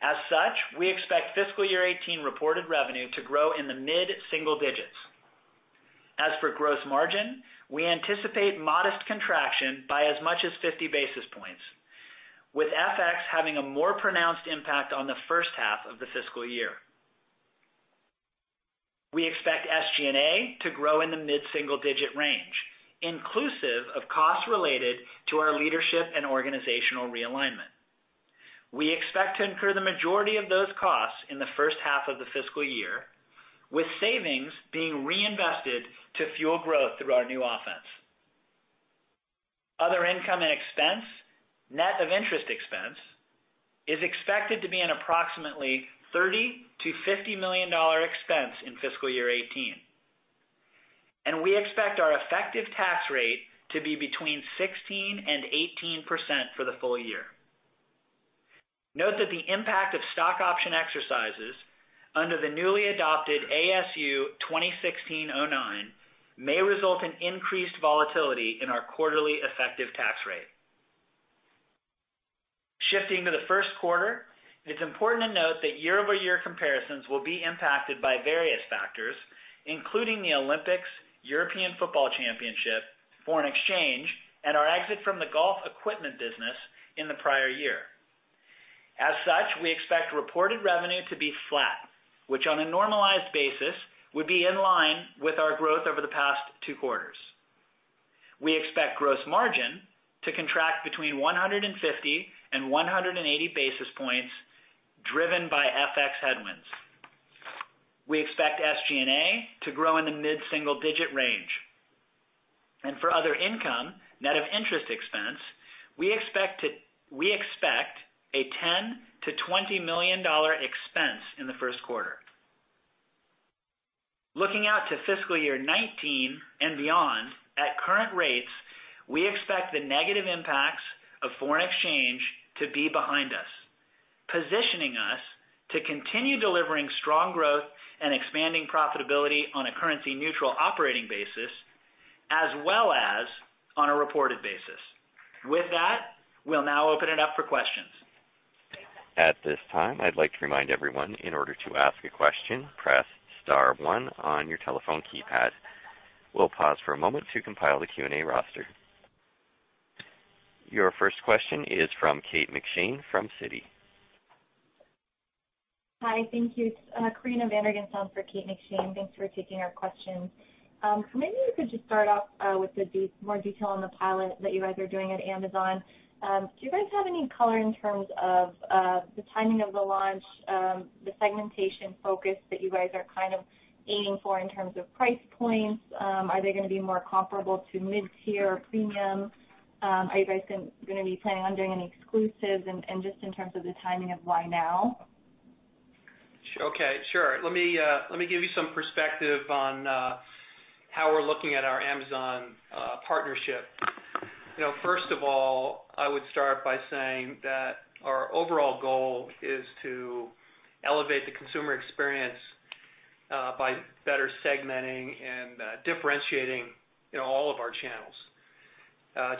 As such, we expect fiscal year 2018 reported revenue to grow in the mid-single digits. For gross margin, we anticipate modest contraction by as much as 50 basis points, with FX having a more pronounced impact on the first half of the fiscal year. We expect SG&A to grow in the mid-single digit range, inclusive of costs related to our leadership and organizational realignment. We expect to incur the majority of those costs in the first half of the fiscal year, with savings being reinvested to fuel growth through our new offense. Other income and expense, net of interest expense, is expected to be an approximately $30 million-$50 million expense in fiscal year 2018. We expect our effective tax rate to be between 16%-18% for the full year. Note that the impact of stock option exercises under the newly adopted ASU 2016-09 may result in increased volatility in our quarterly effective tax rate. Shifting to the first quarter, it's important to note that year-over-year comparisons will be impacted by various factors, including the Olympics, European Football Championship, foreign exchange, and our exit from the golf equipment business in the prior year. As such, we expect reported revenue to be flat, which on a normalized basis would be in line with our growth over the past two quarters. We expect gross margin to contract between 150 and 180 basis points, driven by FX headwinds. We expect SG&A to grow in the mid-single digit range. For other income, net of interest expense, we expect a $10 million-$20 million expense in the first quarter. Looking out to fiscal year 2019 and beyond, at current rates, we expect the negative impacts of foreign exchange to be behind us, positioning us to continue delivering strong growth and expanding profitability on a currency-neutral operating basis, as well as on a reported basis. With that, we'll now open it up for questions. At this time, I'd like to remind everyone, in order to ask a question, press star 1 on your telephone keypad. We'll pause for a moment to compile the Q&A roster. Your first question is from Kate McShane from Citi. Hi. Thank you. It's Karina van der Gestel for Kate McShane. Thanks for taking our question. Maybe you could just start off with more detail on the pilot that you guys are doing at Amazon. Do you guys have any color in terms of the timing of the launch, the segmentation focus that you guys are kind of aiming for in terms of price points? Are they going to be more comparable to mid-tier or premium? Are you guys going to be planning on doing any exclusives? And just in terms of the timing of why now? Okay. Sure. Let me give you some perspective on how we're looking at our Amazon partnership. First of all, I would start by saying that our overall goal is to elevate the consumer experience by better segmenting and differentiating all of our channels.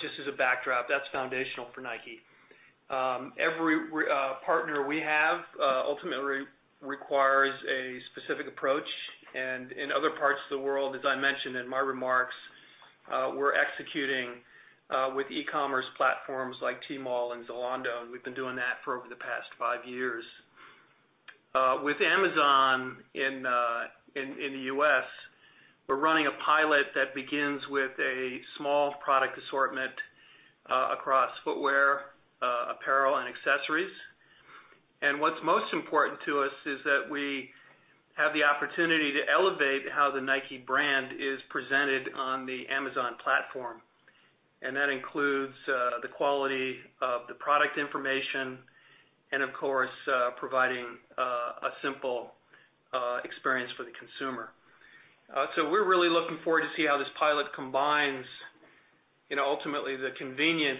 Just as a backdrop, that's foundational for NIKE. Every partner we have ultimately requires a specific approach, and in other parts of the world, as I mentioned in my remarks, we're executing with e-commerce platforms like Tmall and Zalando, and we've been doing that for over the past five years. With Amazon in the U.S., we're running a pilot that begins with a small product assortment across footwear, apparel, and accessories. What's most important to us is that we have the opportunity to elevate how the NIKE brand is presented on the Amazon platform. That includes the quality of the product information and, of course, providing a simple experience for the consumer. We're really looking forward to see how this pilot combines ultimately the convenience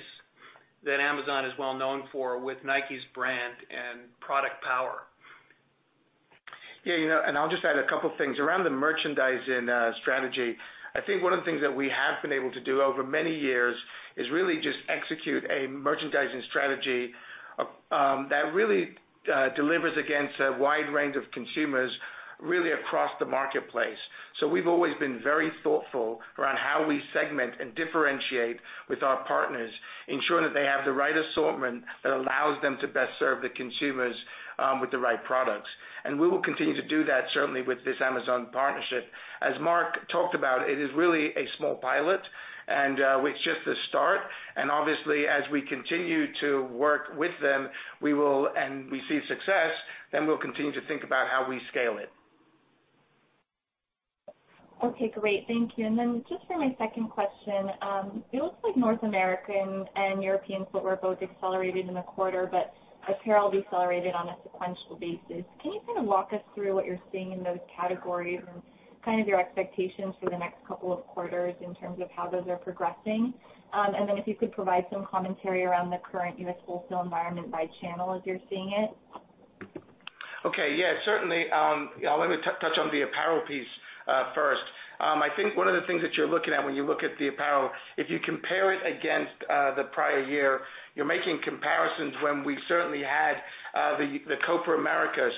that Amazon is well known for with NIKE's brand and product power. I'll just add a couple things. Around the merchandising strategy, I think one of the things that we have been able to do over many years is really just execute a merchandising strategy that really delivers against a wide range of consumers, really across the marketplace. We've always been very thoughtful around how we segment and differentiate with our partners, ensuring that they have the right assortment that allows them to best serve the consumers with the right products. We will continue to do that, certainly with this Amazon partnership. As Mark talked about, it is really a small pilot, and it's just the start. Obviously, as we continue to work with them, and we see success, then we'll continue to think about how we scale it. Okay, great. Thank you. Just for my second question. It looks like North American and European footwear both accelerated in the quarter, but apparel decelerated on a sequential basis. Can you kind of walk us through what you're seeing in those categories and kind of your expectations for the next couple of quarters in terms of how those are progressing? If you could provide some commentary around the current U.S. wholesale environment by channel as you're seeing it. Okay. Yeah, certainly. Let me touch on the apparel piece first. I think one of the things that you're looking at when you look at the apparel, if you compare it against the prior year, you're making comparisons when we certainly had the Copa América.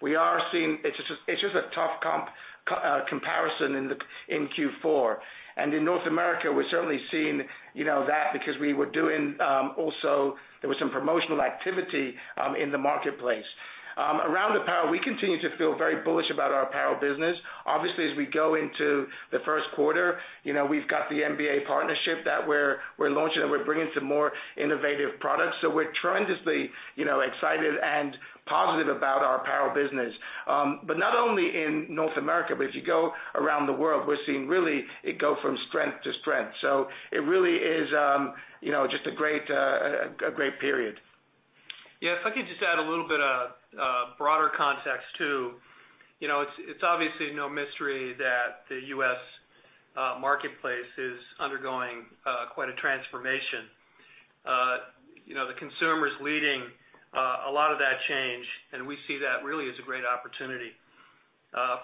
We are seeing It's just a tough comparison in Q4. In North America, we're certainly seeing that because we were doing also, there was some promotional activity in the marketplace. Around apparel, we continue to feel very bullish about our apparel business. Obviously, as we go into the first quarter, we've got the NBA partnership that we're launching, and we're bringing some more innovative products. We're tremendously excited and positive about our apparel business. Not only in North America, but if you go around the world, we're seeing really it go from strength to strength. It really is just a great period. Yeah. If I could just add a little bit of broader context, too. It's obviously no mystery that the U.S. marketplace is undergoing quite a transformation. The consumer's leading a lot of that change. We see that really as a great opportunity.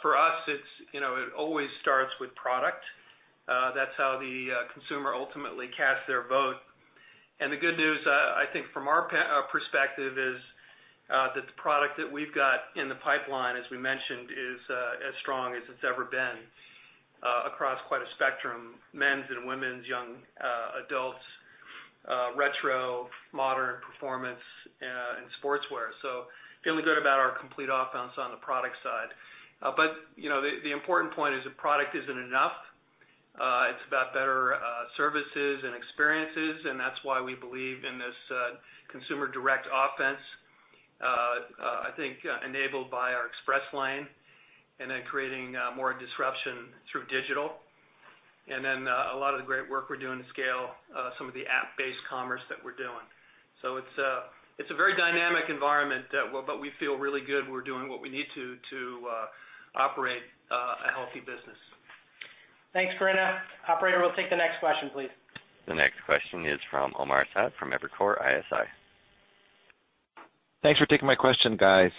For us, it always starts with product. That's how the consumer ultimately casts their vote. The good news, I think from our perspective, is that the product that we've got in the pipeline, as we mentioned, is as strong as it's ever been across quite a spectrum. Men's and women's, young adults, retro, modern performance, and sportswear. Feeling good about our complete offense on the product side. The important point is that product isn't enough. It's about better services and experiences. That's why we believe in this consumer direct offense, I think, enabled by our Express Lane, creating more disruption through digital. A lot of the great work we're doing to scale some of the app-based commerce that we're doing. It's a very dynamic environment. We feel really good we're doing what we need to operate a healthy business. Thanks, Karina. Operator, we'll take the next question, please. The next question is from Omar Saad from Evercore ISI. Thanks for taking my question, guys.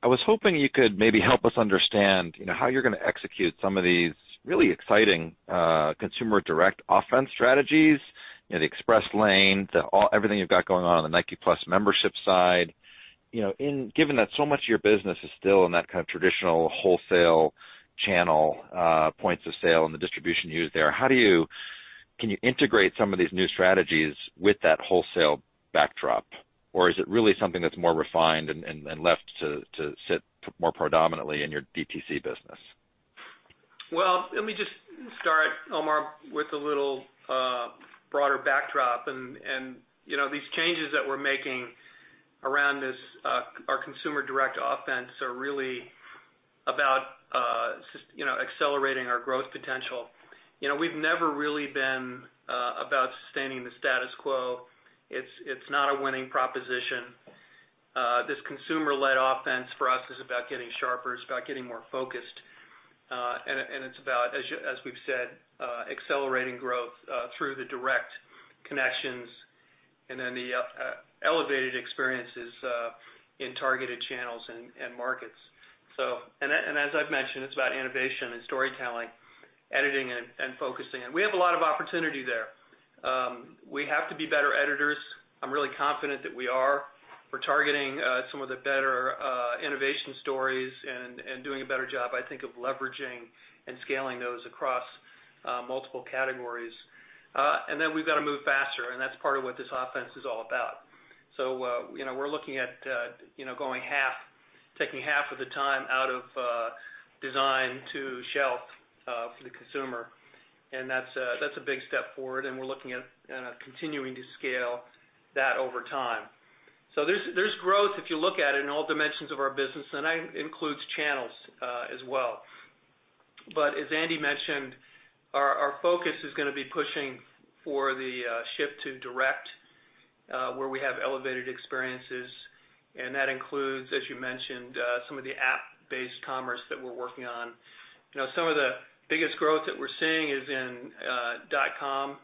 I was hoping you could maybe help us understand how you're going to execute some of these really exciting consumer direct offense strategies, the Express Lane, everything you've got going on on the Nike+ membership side. Given that so much of your business is still in that kind of traditional wholesale channel points of sale and the distribution used there, can you integrate some of these new strategies with that wholesale backdrop? Or is it really something that's more refined and left to sit more predominantly in your DTC business? Well, let me just start, Omar, with a little broader backdrop. These changes that we're making around our consumer direct offense are really about accelerating our growth potential. We've never really been about sustaining the status quo. It's not a winning proposition. This consumer-led offense for us is about getting sharper. It's about getting more focused. It's about, as we've said, accelerating growth through the direct connections and then the elevated experiences in targeted channels and markets. As I've mentioned, it's about innovation and storytelling, editing and focusing. We have a lot of opportunity there. We have to be better editors. I'm really confident that we are. We're targeting some of the better innovation stories and doing a better job, I think, of leveraging and scaling those across multiple categories. Then we've got to move faster, and that's part of what this offense is all about. We're looking at taking half of the time out of design to shelf for the consumer, and that's a big step forward, and we're looking at continuing to scale that over time. There's growth, if you look at it, in all dimensions of our business, and that includes channels as well. As Andy mentioned, our focus is going to be pushing for the shift to direct where we have elevated experiences, and that includes, as you mentioned, some of the app-based commerce that we're working on. Some of the biggest growth that we're seeing is in dotcom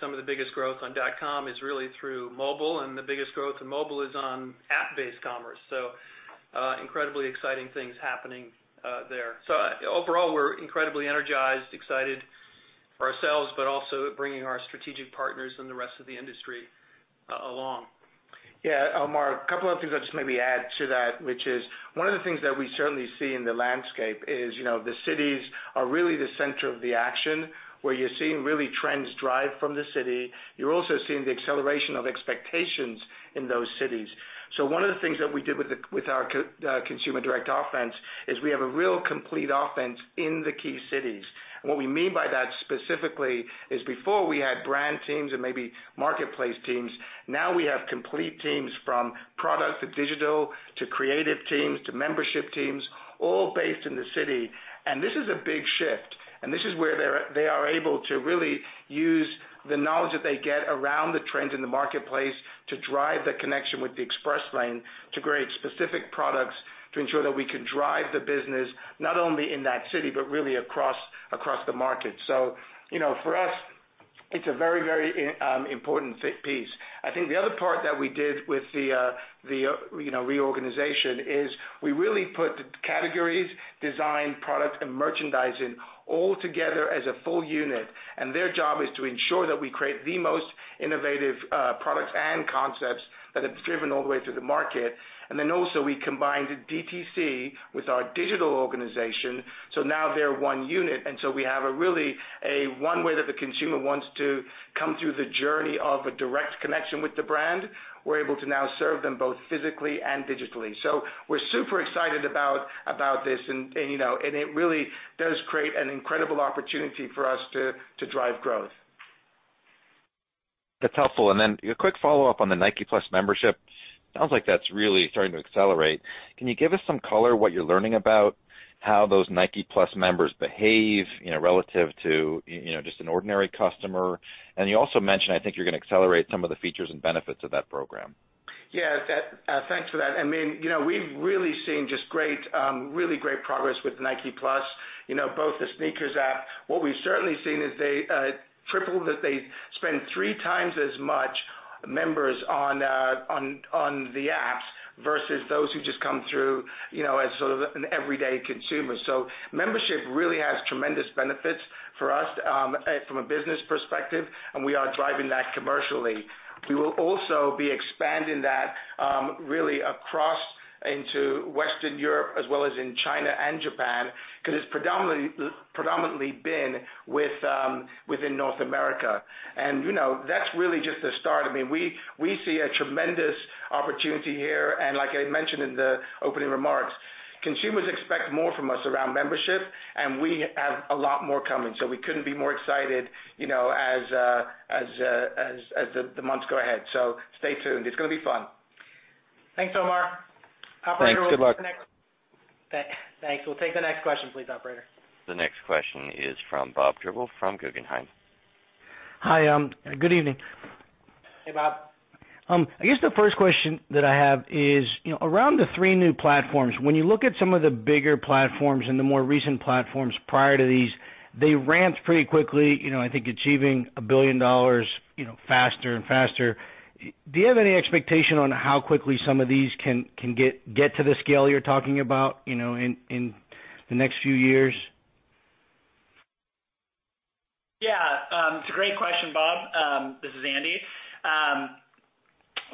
Some of the biggest growth on nike.com is really through mobile, and the biggest growth in mobile is on app-based commerce. Incredibly exciting things happening there. Overall, we're incredibly energized, excited for ourselves, but also bringing our strategic partners and the rest of the industry along. Yeah. Omar, a couple of things I'll just maybe add to that, which is one of the things that we certainly see in the landscape is the cities are really the center of the action, where you're seeing really trends drive from the city. You're also seeing the acceleration of expectations in those cities. One of the things that we did with our Consumer Direct Offense is we have a real complete offense in the key cities. What we mean by that specifically is before we had brand teams and maybe marketplace teams. Now we have complete teams from product to digital, to creative teams, to membership teams, all based in the city. This is a big shift. This is where they are able to really use the knowledge that they get around the trend in the marketplace to drive the connection with the Express Lane, to create specific products to ensure that we can drive the business not only in that city but really across the market. For us, it's a very important fit piece. I think the other part that we did with the reorganization is we really put categories, design, product, and merchandising all together as a full unit, and their job is to ensure that we create the most innovative products and concepts that have driven all the way through the market. We combined DTC with our digital organization, so now they're one unit. We have a really a one way that the consumer wants to come through the journey of a direct connection with the brand. We're able to now serve them both physically and digitally. We're super excited about this, it really does create an incredible opportunity for us to drive growth. That's helpful. A quick follow-up on the Nike+ membership. Sounds like that's really starting to accelerate. Can you give us some color, what you're learning about how those Nike+ members behave relative to just an ordinary customer? You also mentioned, I think you're going to accelerate some of the features and benefits of that program. Yeah, thanks for that. We've really seen just really great progress with Nike+, both the SNKRS app. What we've certainly seen is they tripled, that they spend three times as much members on the apps versus those who just come through as sort of an everyday consumer. Membership really has tremendous benefits for us from a business perspective, and we are driving that commercially. We will also be expanding that really across into Western Europe as well as in China and Japan, because it's predominantly been within North America. That's really just a start. We see a tremendous opportunity here, and like I mentioned in the opening remarks, consumers expect more from us around membership, and we have a lot more coming. We couldn't be more excited as the months go ahead. Stay tuned. It's going to be fun. Thanks, Omar. Thanks. Good luck. Thanks. We'll take the next question, please, operator. The next question is from Bob Drbul from Guggenheim. Hi. Good evening. Hey, Bob. I guess the first question that I have is, around the three new platforms, when you look at some of the bigger platforms and the more recent platforms prior to these, they ramped pretty quickly, I think achieving $1 billion faster and faster. Do you have any expectation on how quickly some of these can get to the scale you're talking about in the next few years? Yeah. It's a great question, Bob. This is Andy.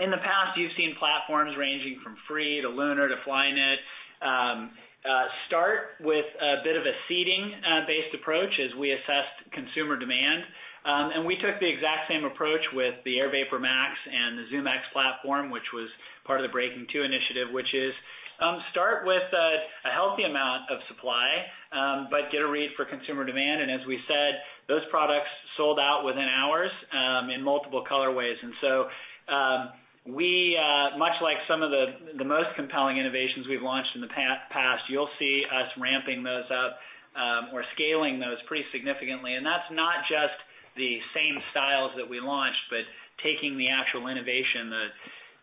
In the past, you've seen platforms ranging from Free to Lunar to Flyknit. Start with a bit of a seeding-based approach as we assessed consumer demand. We took the exact same approach with the Air VaporMax and the ZoomX platform, which was part of the Breaking2 initiative, which is start with a healthy amount of supply, but get a read for consumer demand. As we said, those products sold out within hours, in multiple colorways. So, much like some of the most compelling innovations we've launched in the past, you'll see us ramping those up, or scaling those pretty significantly. That's not just the same styles that we launched, but taking the actual innovation,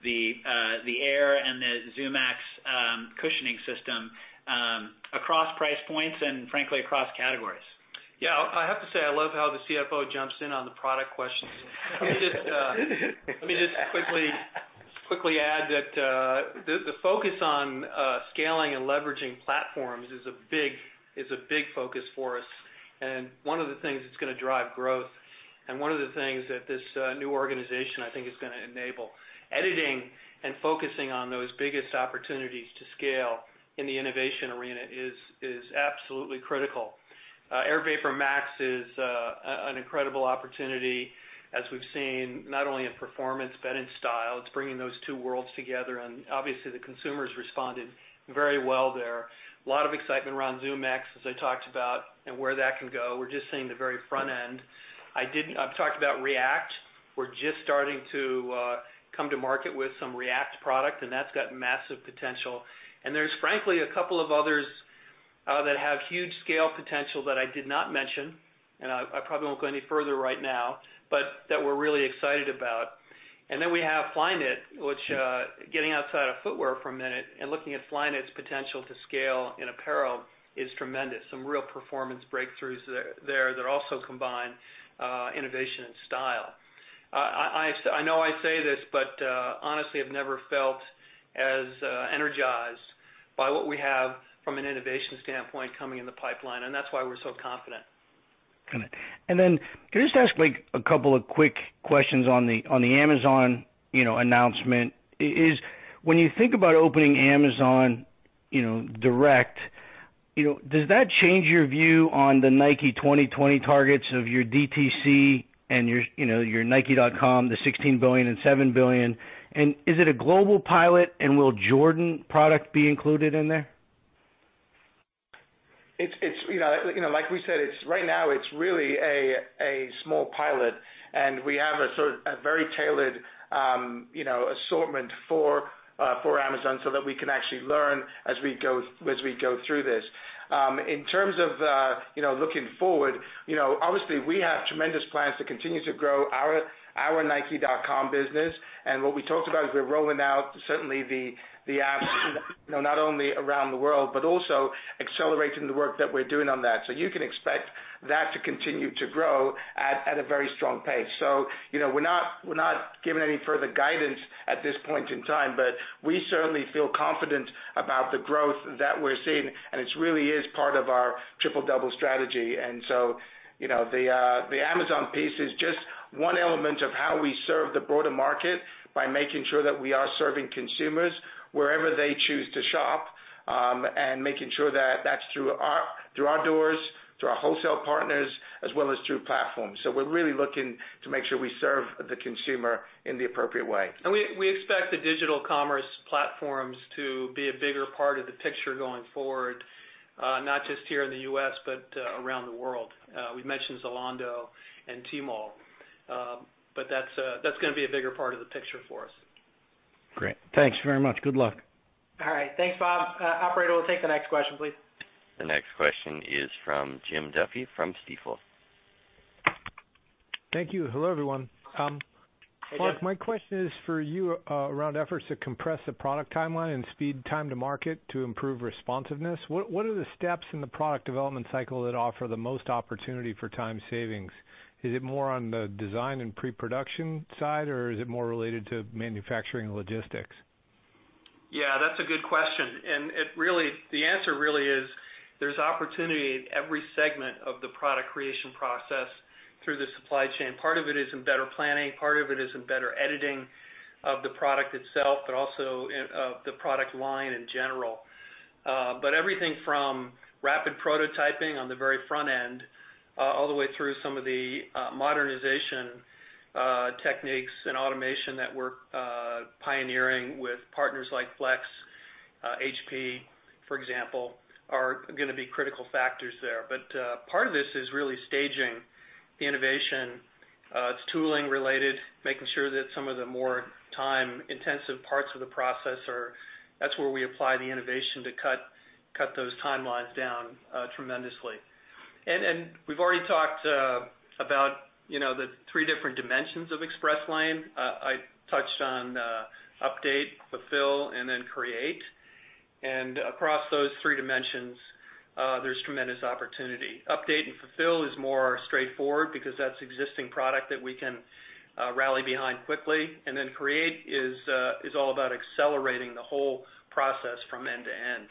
the Air and the ZoomX cushioning system, across price points and frankly, across categories. Yeah, I have to say, I love how the CFO jumps in on the product questions. Let me just quickly add that the focus on scaling and leveraging platforms is a big focus for us. One of the things that's going to drive growth, and one of the things that this new organization, I think, is going to enable. Editing and focusing on those biggest opportunities to scale in the innovation arena is absolutely critical. Air VaporMax is an incredible opportunity as we've seen, not only in performance but in style. It's bringing those two worlds together, and obviously, the consumers responded very well there. A lot of excitement around ZoomX, as I talked about, and where that can go. We're just seeing the very front end. I've talked about React. We're just starting to come to market with some React product, and that's got massive potential. There's frankly, a couple of others that have huge scale potential that I did not mention, and I probably won't go any further right now, but that we're really excited about. We have Flyknit, which, getting outside of footwear for a minute and looking at Flyknit's potential to scale in apparel is tremendous. Some real performance breakthroughs there that also combine innovation and style. I know I say this, but honestly, I've never felt as energized by what we have from an innovation standpoint coming in the pipeline, and that's why we're so confident. Got it. Can I just ask a couple of quick questions on the Amazon announcement? Is when you think about opening Amazon direct, does that change your view on the Nike 2020 targets of your DTC and your nike.com, the $16 billion and $7 billion? Is it a global pilot, and will Jordan product be included in there? Like we said, right now it's really a small pilot, and we have a very tailored assortment for Amazon so that we can actually learn as we go through this. In terms of looking forward, obviously, we have tremendous plans to continue to grow our nike.com business. What we talked about as we're rolling out, certainly the apps, not only around the world but also accelerating the work that we're doing on that. You can expect that to continue to grow at a very strong pace. We're not giving any further guidance at this point in time, but we certainly feel confident about the growth that we're seeing, and it really is part of our Triple Double Strategy. The Amazon piece is just one element of how we serve the broader market by making sure that we are serving consumers wherever they choose to shop, and making sure that's through our doors, through our wholesale partners, as well as through platforms. We're really looking to make sure we serve the consumer in the appropriate way. We expect the digital commerce platforms to be a bigger part of the picture going forward, not just here in the U.S., but around the world. We've mentioned Zalando and Tmall. That's going to be a bigger part of the picture for us. Great. Thanks very much. Good luck. All right. Thanks, Bob. Operator, we'll take the next question, please. The next question is from Jim Duffy from Stifel. Thank you. Hello, everyone. Hey, Jim. Mark, my question is for you around efforts to compress the product timeline and speed time to market to improve responsiveness. What are the steps in the product development cycle that offer the most opportunity for time savings? Is it more on the design and pre-production side, or is it more related to manufacturing and logistics? Yeah, that's a good question. The answer really is there's opportunity at every segment of the product creation process through the supply chain. Part of it is in better planning, part of it is in better editing of the product itself, but also of the product line in general. Everything from rapid prototyping on the very front end, all the way through some of the modernization techniques and automation that we're pioneering with partners like Flex, HP, for example, are going to be critical factors there. Part of this is really staging the innovation. It's tooling related, making sure that some of the more time-intensive parts of the process. That's where we apply the innovation to cut those timelines down tremendously. We've already talked about the three different dimensions of Express Lane. I touched on update, fulfill, and then create. Across those three dimensions, there's tremendous opportunity. Update and fulfill is more straightforward because that's existing product that we can rally behind quickly. Create is all about accelerating the whole process from end to end.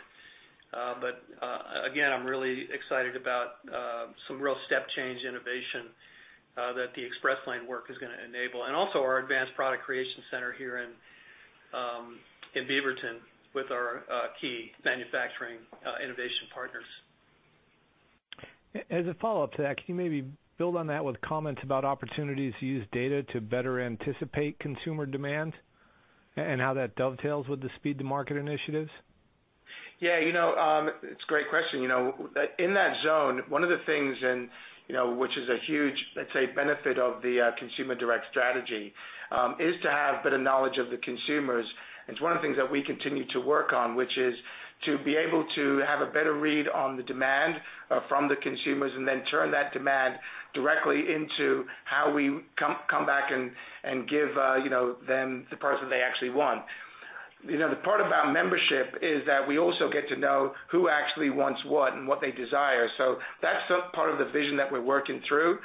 Again, I'm really excited about some real step change innovation that the Express Lane work is going to enable. Also our advanced product creation center here in Beaverton with our key manufacturing innovation partners. As a follow-up to that, can you maybe build on that with comments about opportunities to use data to better anticipate consumer demand and how that dovetails with the speed to market initiatives? It's a great question. In that zone, one of the things which is a huge, let's say, benefit of the consumer direct strategy, is to have better knowledge of the consumers. It's one of the things that we continue to work on, which is to be able to have a better read on the demand from the consumers and then turn that demand directly into how we come back and give them the product that they actually want. The part about membership is that we also get to know who actually wants what and what they desire. That's part of the vision that we're working through,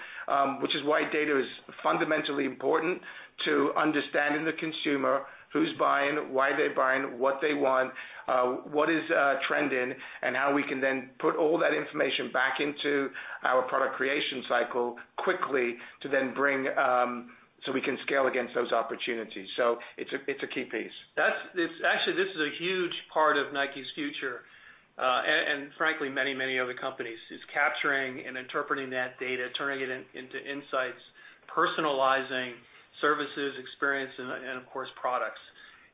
which is why data is fundamentally important to understanding the consumer, who's buying, why they're buying, what they want, what is trending, and how we can then put all that information back into our product creation cycle quickly so we can scale against those opportunities. It's a key piece. Actually, this is a huge part of Nike's future. Frankly, many other companies, is capturing and interpreting that data, turning it into insights, personalizing services, experience, and of course, products.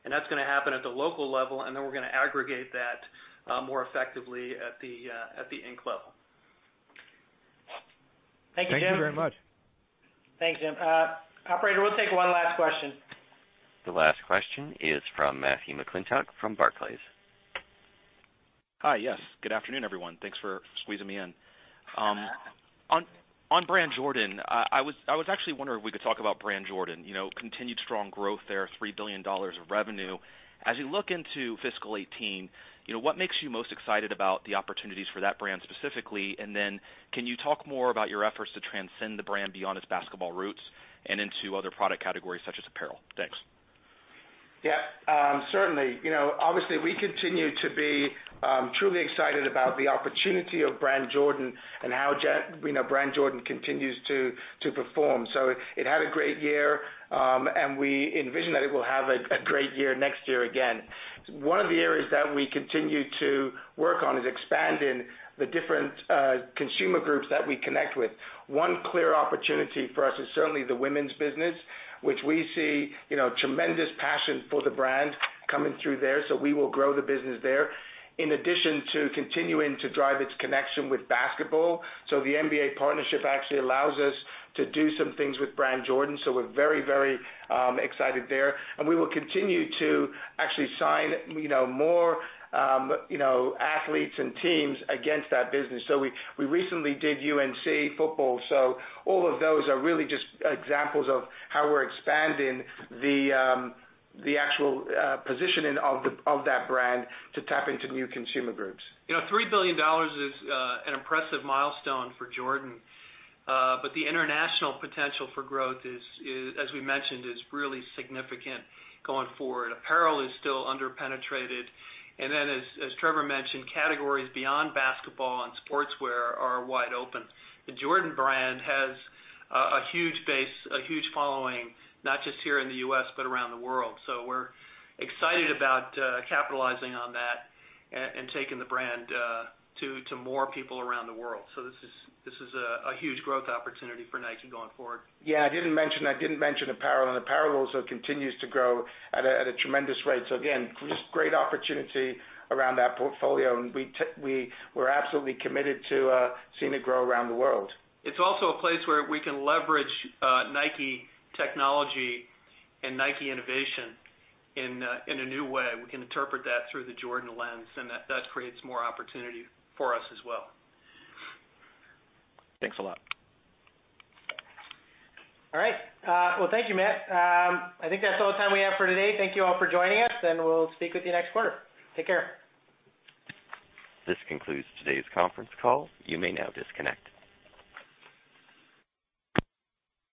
That's going to happen at the local level, and then we're going to aggregate that more effectively at the Inc. level. Thank you, Jim. Thank you very much. Thanks, Jim. Operator, we'll take one last question. The last question is from Matthew McClintock from Barclays. Hi. Yes. Good afternoon, everyone. Thanks for squeezing me in. On Jordan Brand, I was actually wondering if we could talk about Jordan Brand. Continued strong growth there, $3 billion of revenue. As you look into FY 2018, what makes you most excited about the opportunities for that brand specifically? Can you talk more about your efforts to transcend the brand beyond its basketball roots and into other product categories such as apparel? Thanks. Yeah. Certainly. Obviously, we continue to be truly excited about the opportunity of Jordan Brand and how Jordan Brand continues to perform. It had a great year, and we envision that it will have a great year next year again. One of the areas that we continue to work on is expanding the different consumer groups that we connect with. One clear opportunity for us is certainly the women's business, which we see tremendous passion for the brand coming through there, we will grow the business there. In addition to continuing to drive its connection with basketball. The NBA partnership actually allows us to do some things with Jordan Brand. We're very excited there. We will continue to actually sign more athletes and teams against that business. We recently did UNC football. All of those are really just examples of how we're expanding the actual positioning of that brand to tap into new consumer groups. $3 billion is an impressive milestone for Jordan. The international potential for growth, as we mentioned, is really significant going forward. Apparel is still under-penetrated. As Trevor mentioned, categories beyond basketball and sportswear are wide open. The Jordan Brand has a huge base, a huge following, not just here in the U.S., but around the world. We're excited about capitalizing on that and taking the brand to more people around the world. This is a huge growth opportunity for Nike going forward. Yeah, I didn't mention apparel also continues to grow at a tremendous rate. Again, just great opportunity around that portfolio, we're absolutely committed to seeing it grow around the world. It's also a place where we can leverage Nike technology and Nike innovation in a new way. We can interpret that through the Jordan lens, that creates more opportunity for us as well. Thanks a lot. All right. Well, thank you, Matt. I think that's all the time we have for today. Thank you all for joining us, and we'll speak with you next quarter. Take care. This concludes today's conference call. You may now disconnect.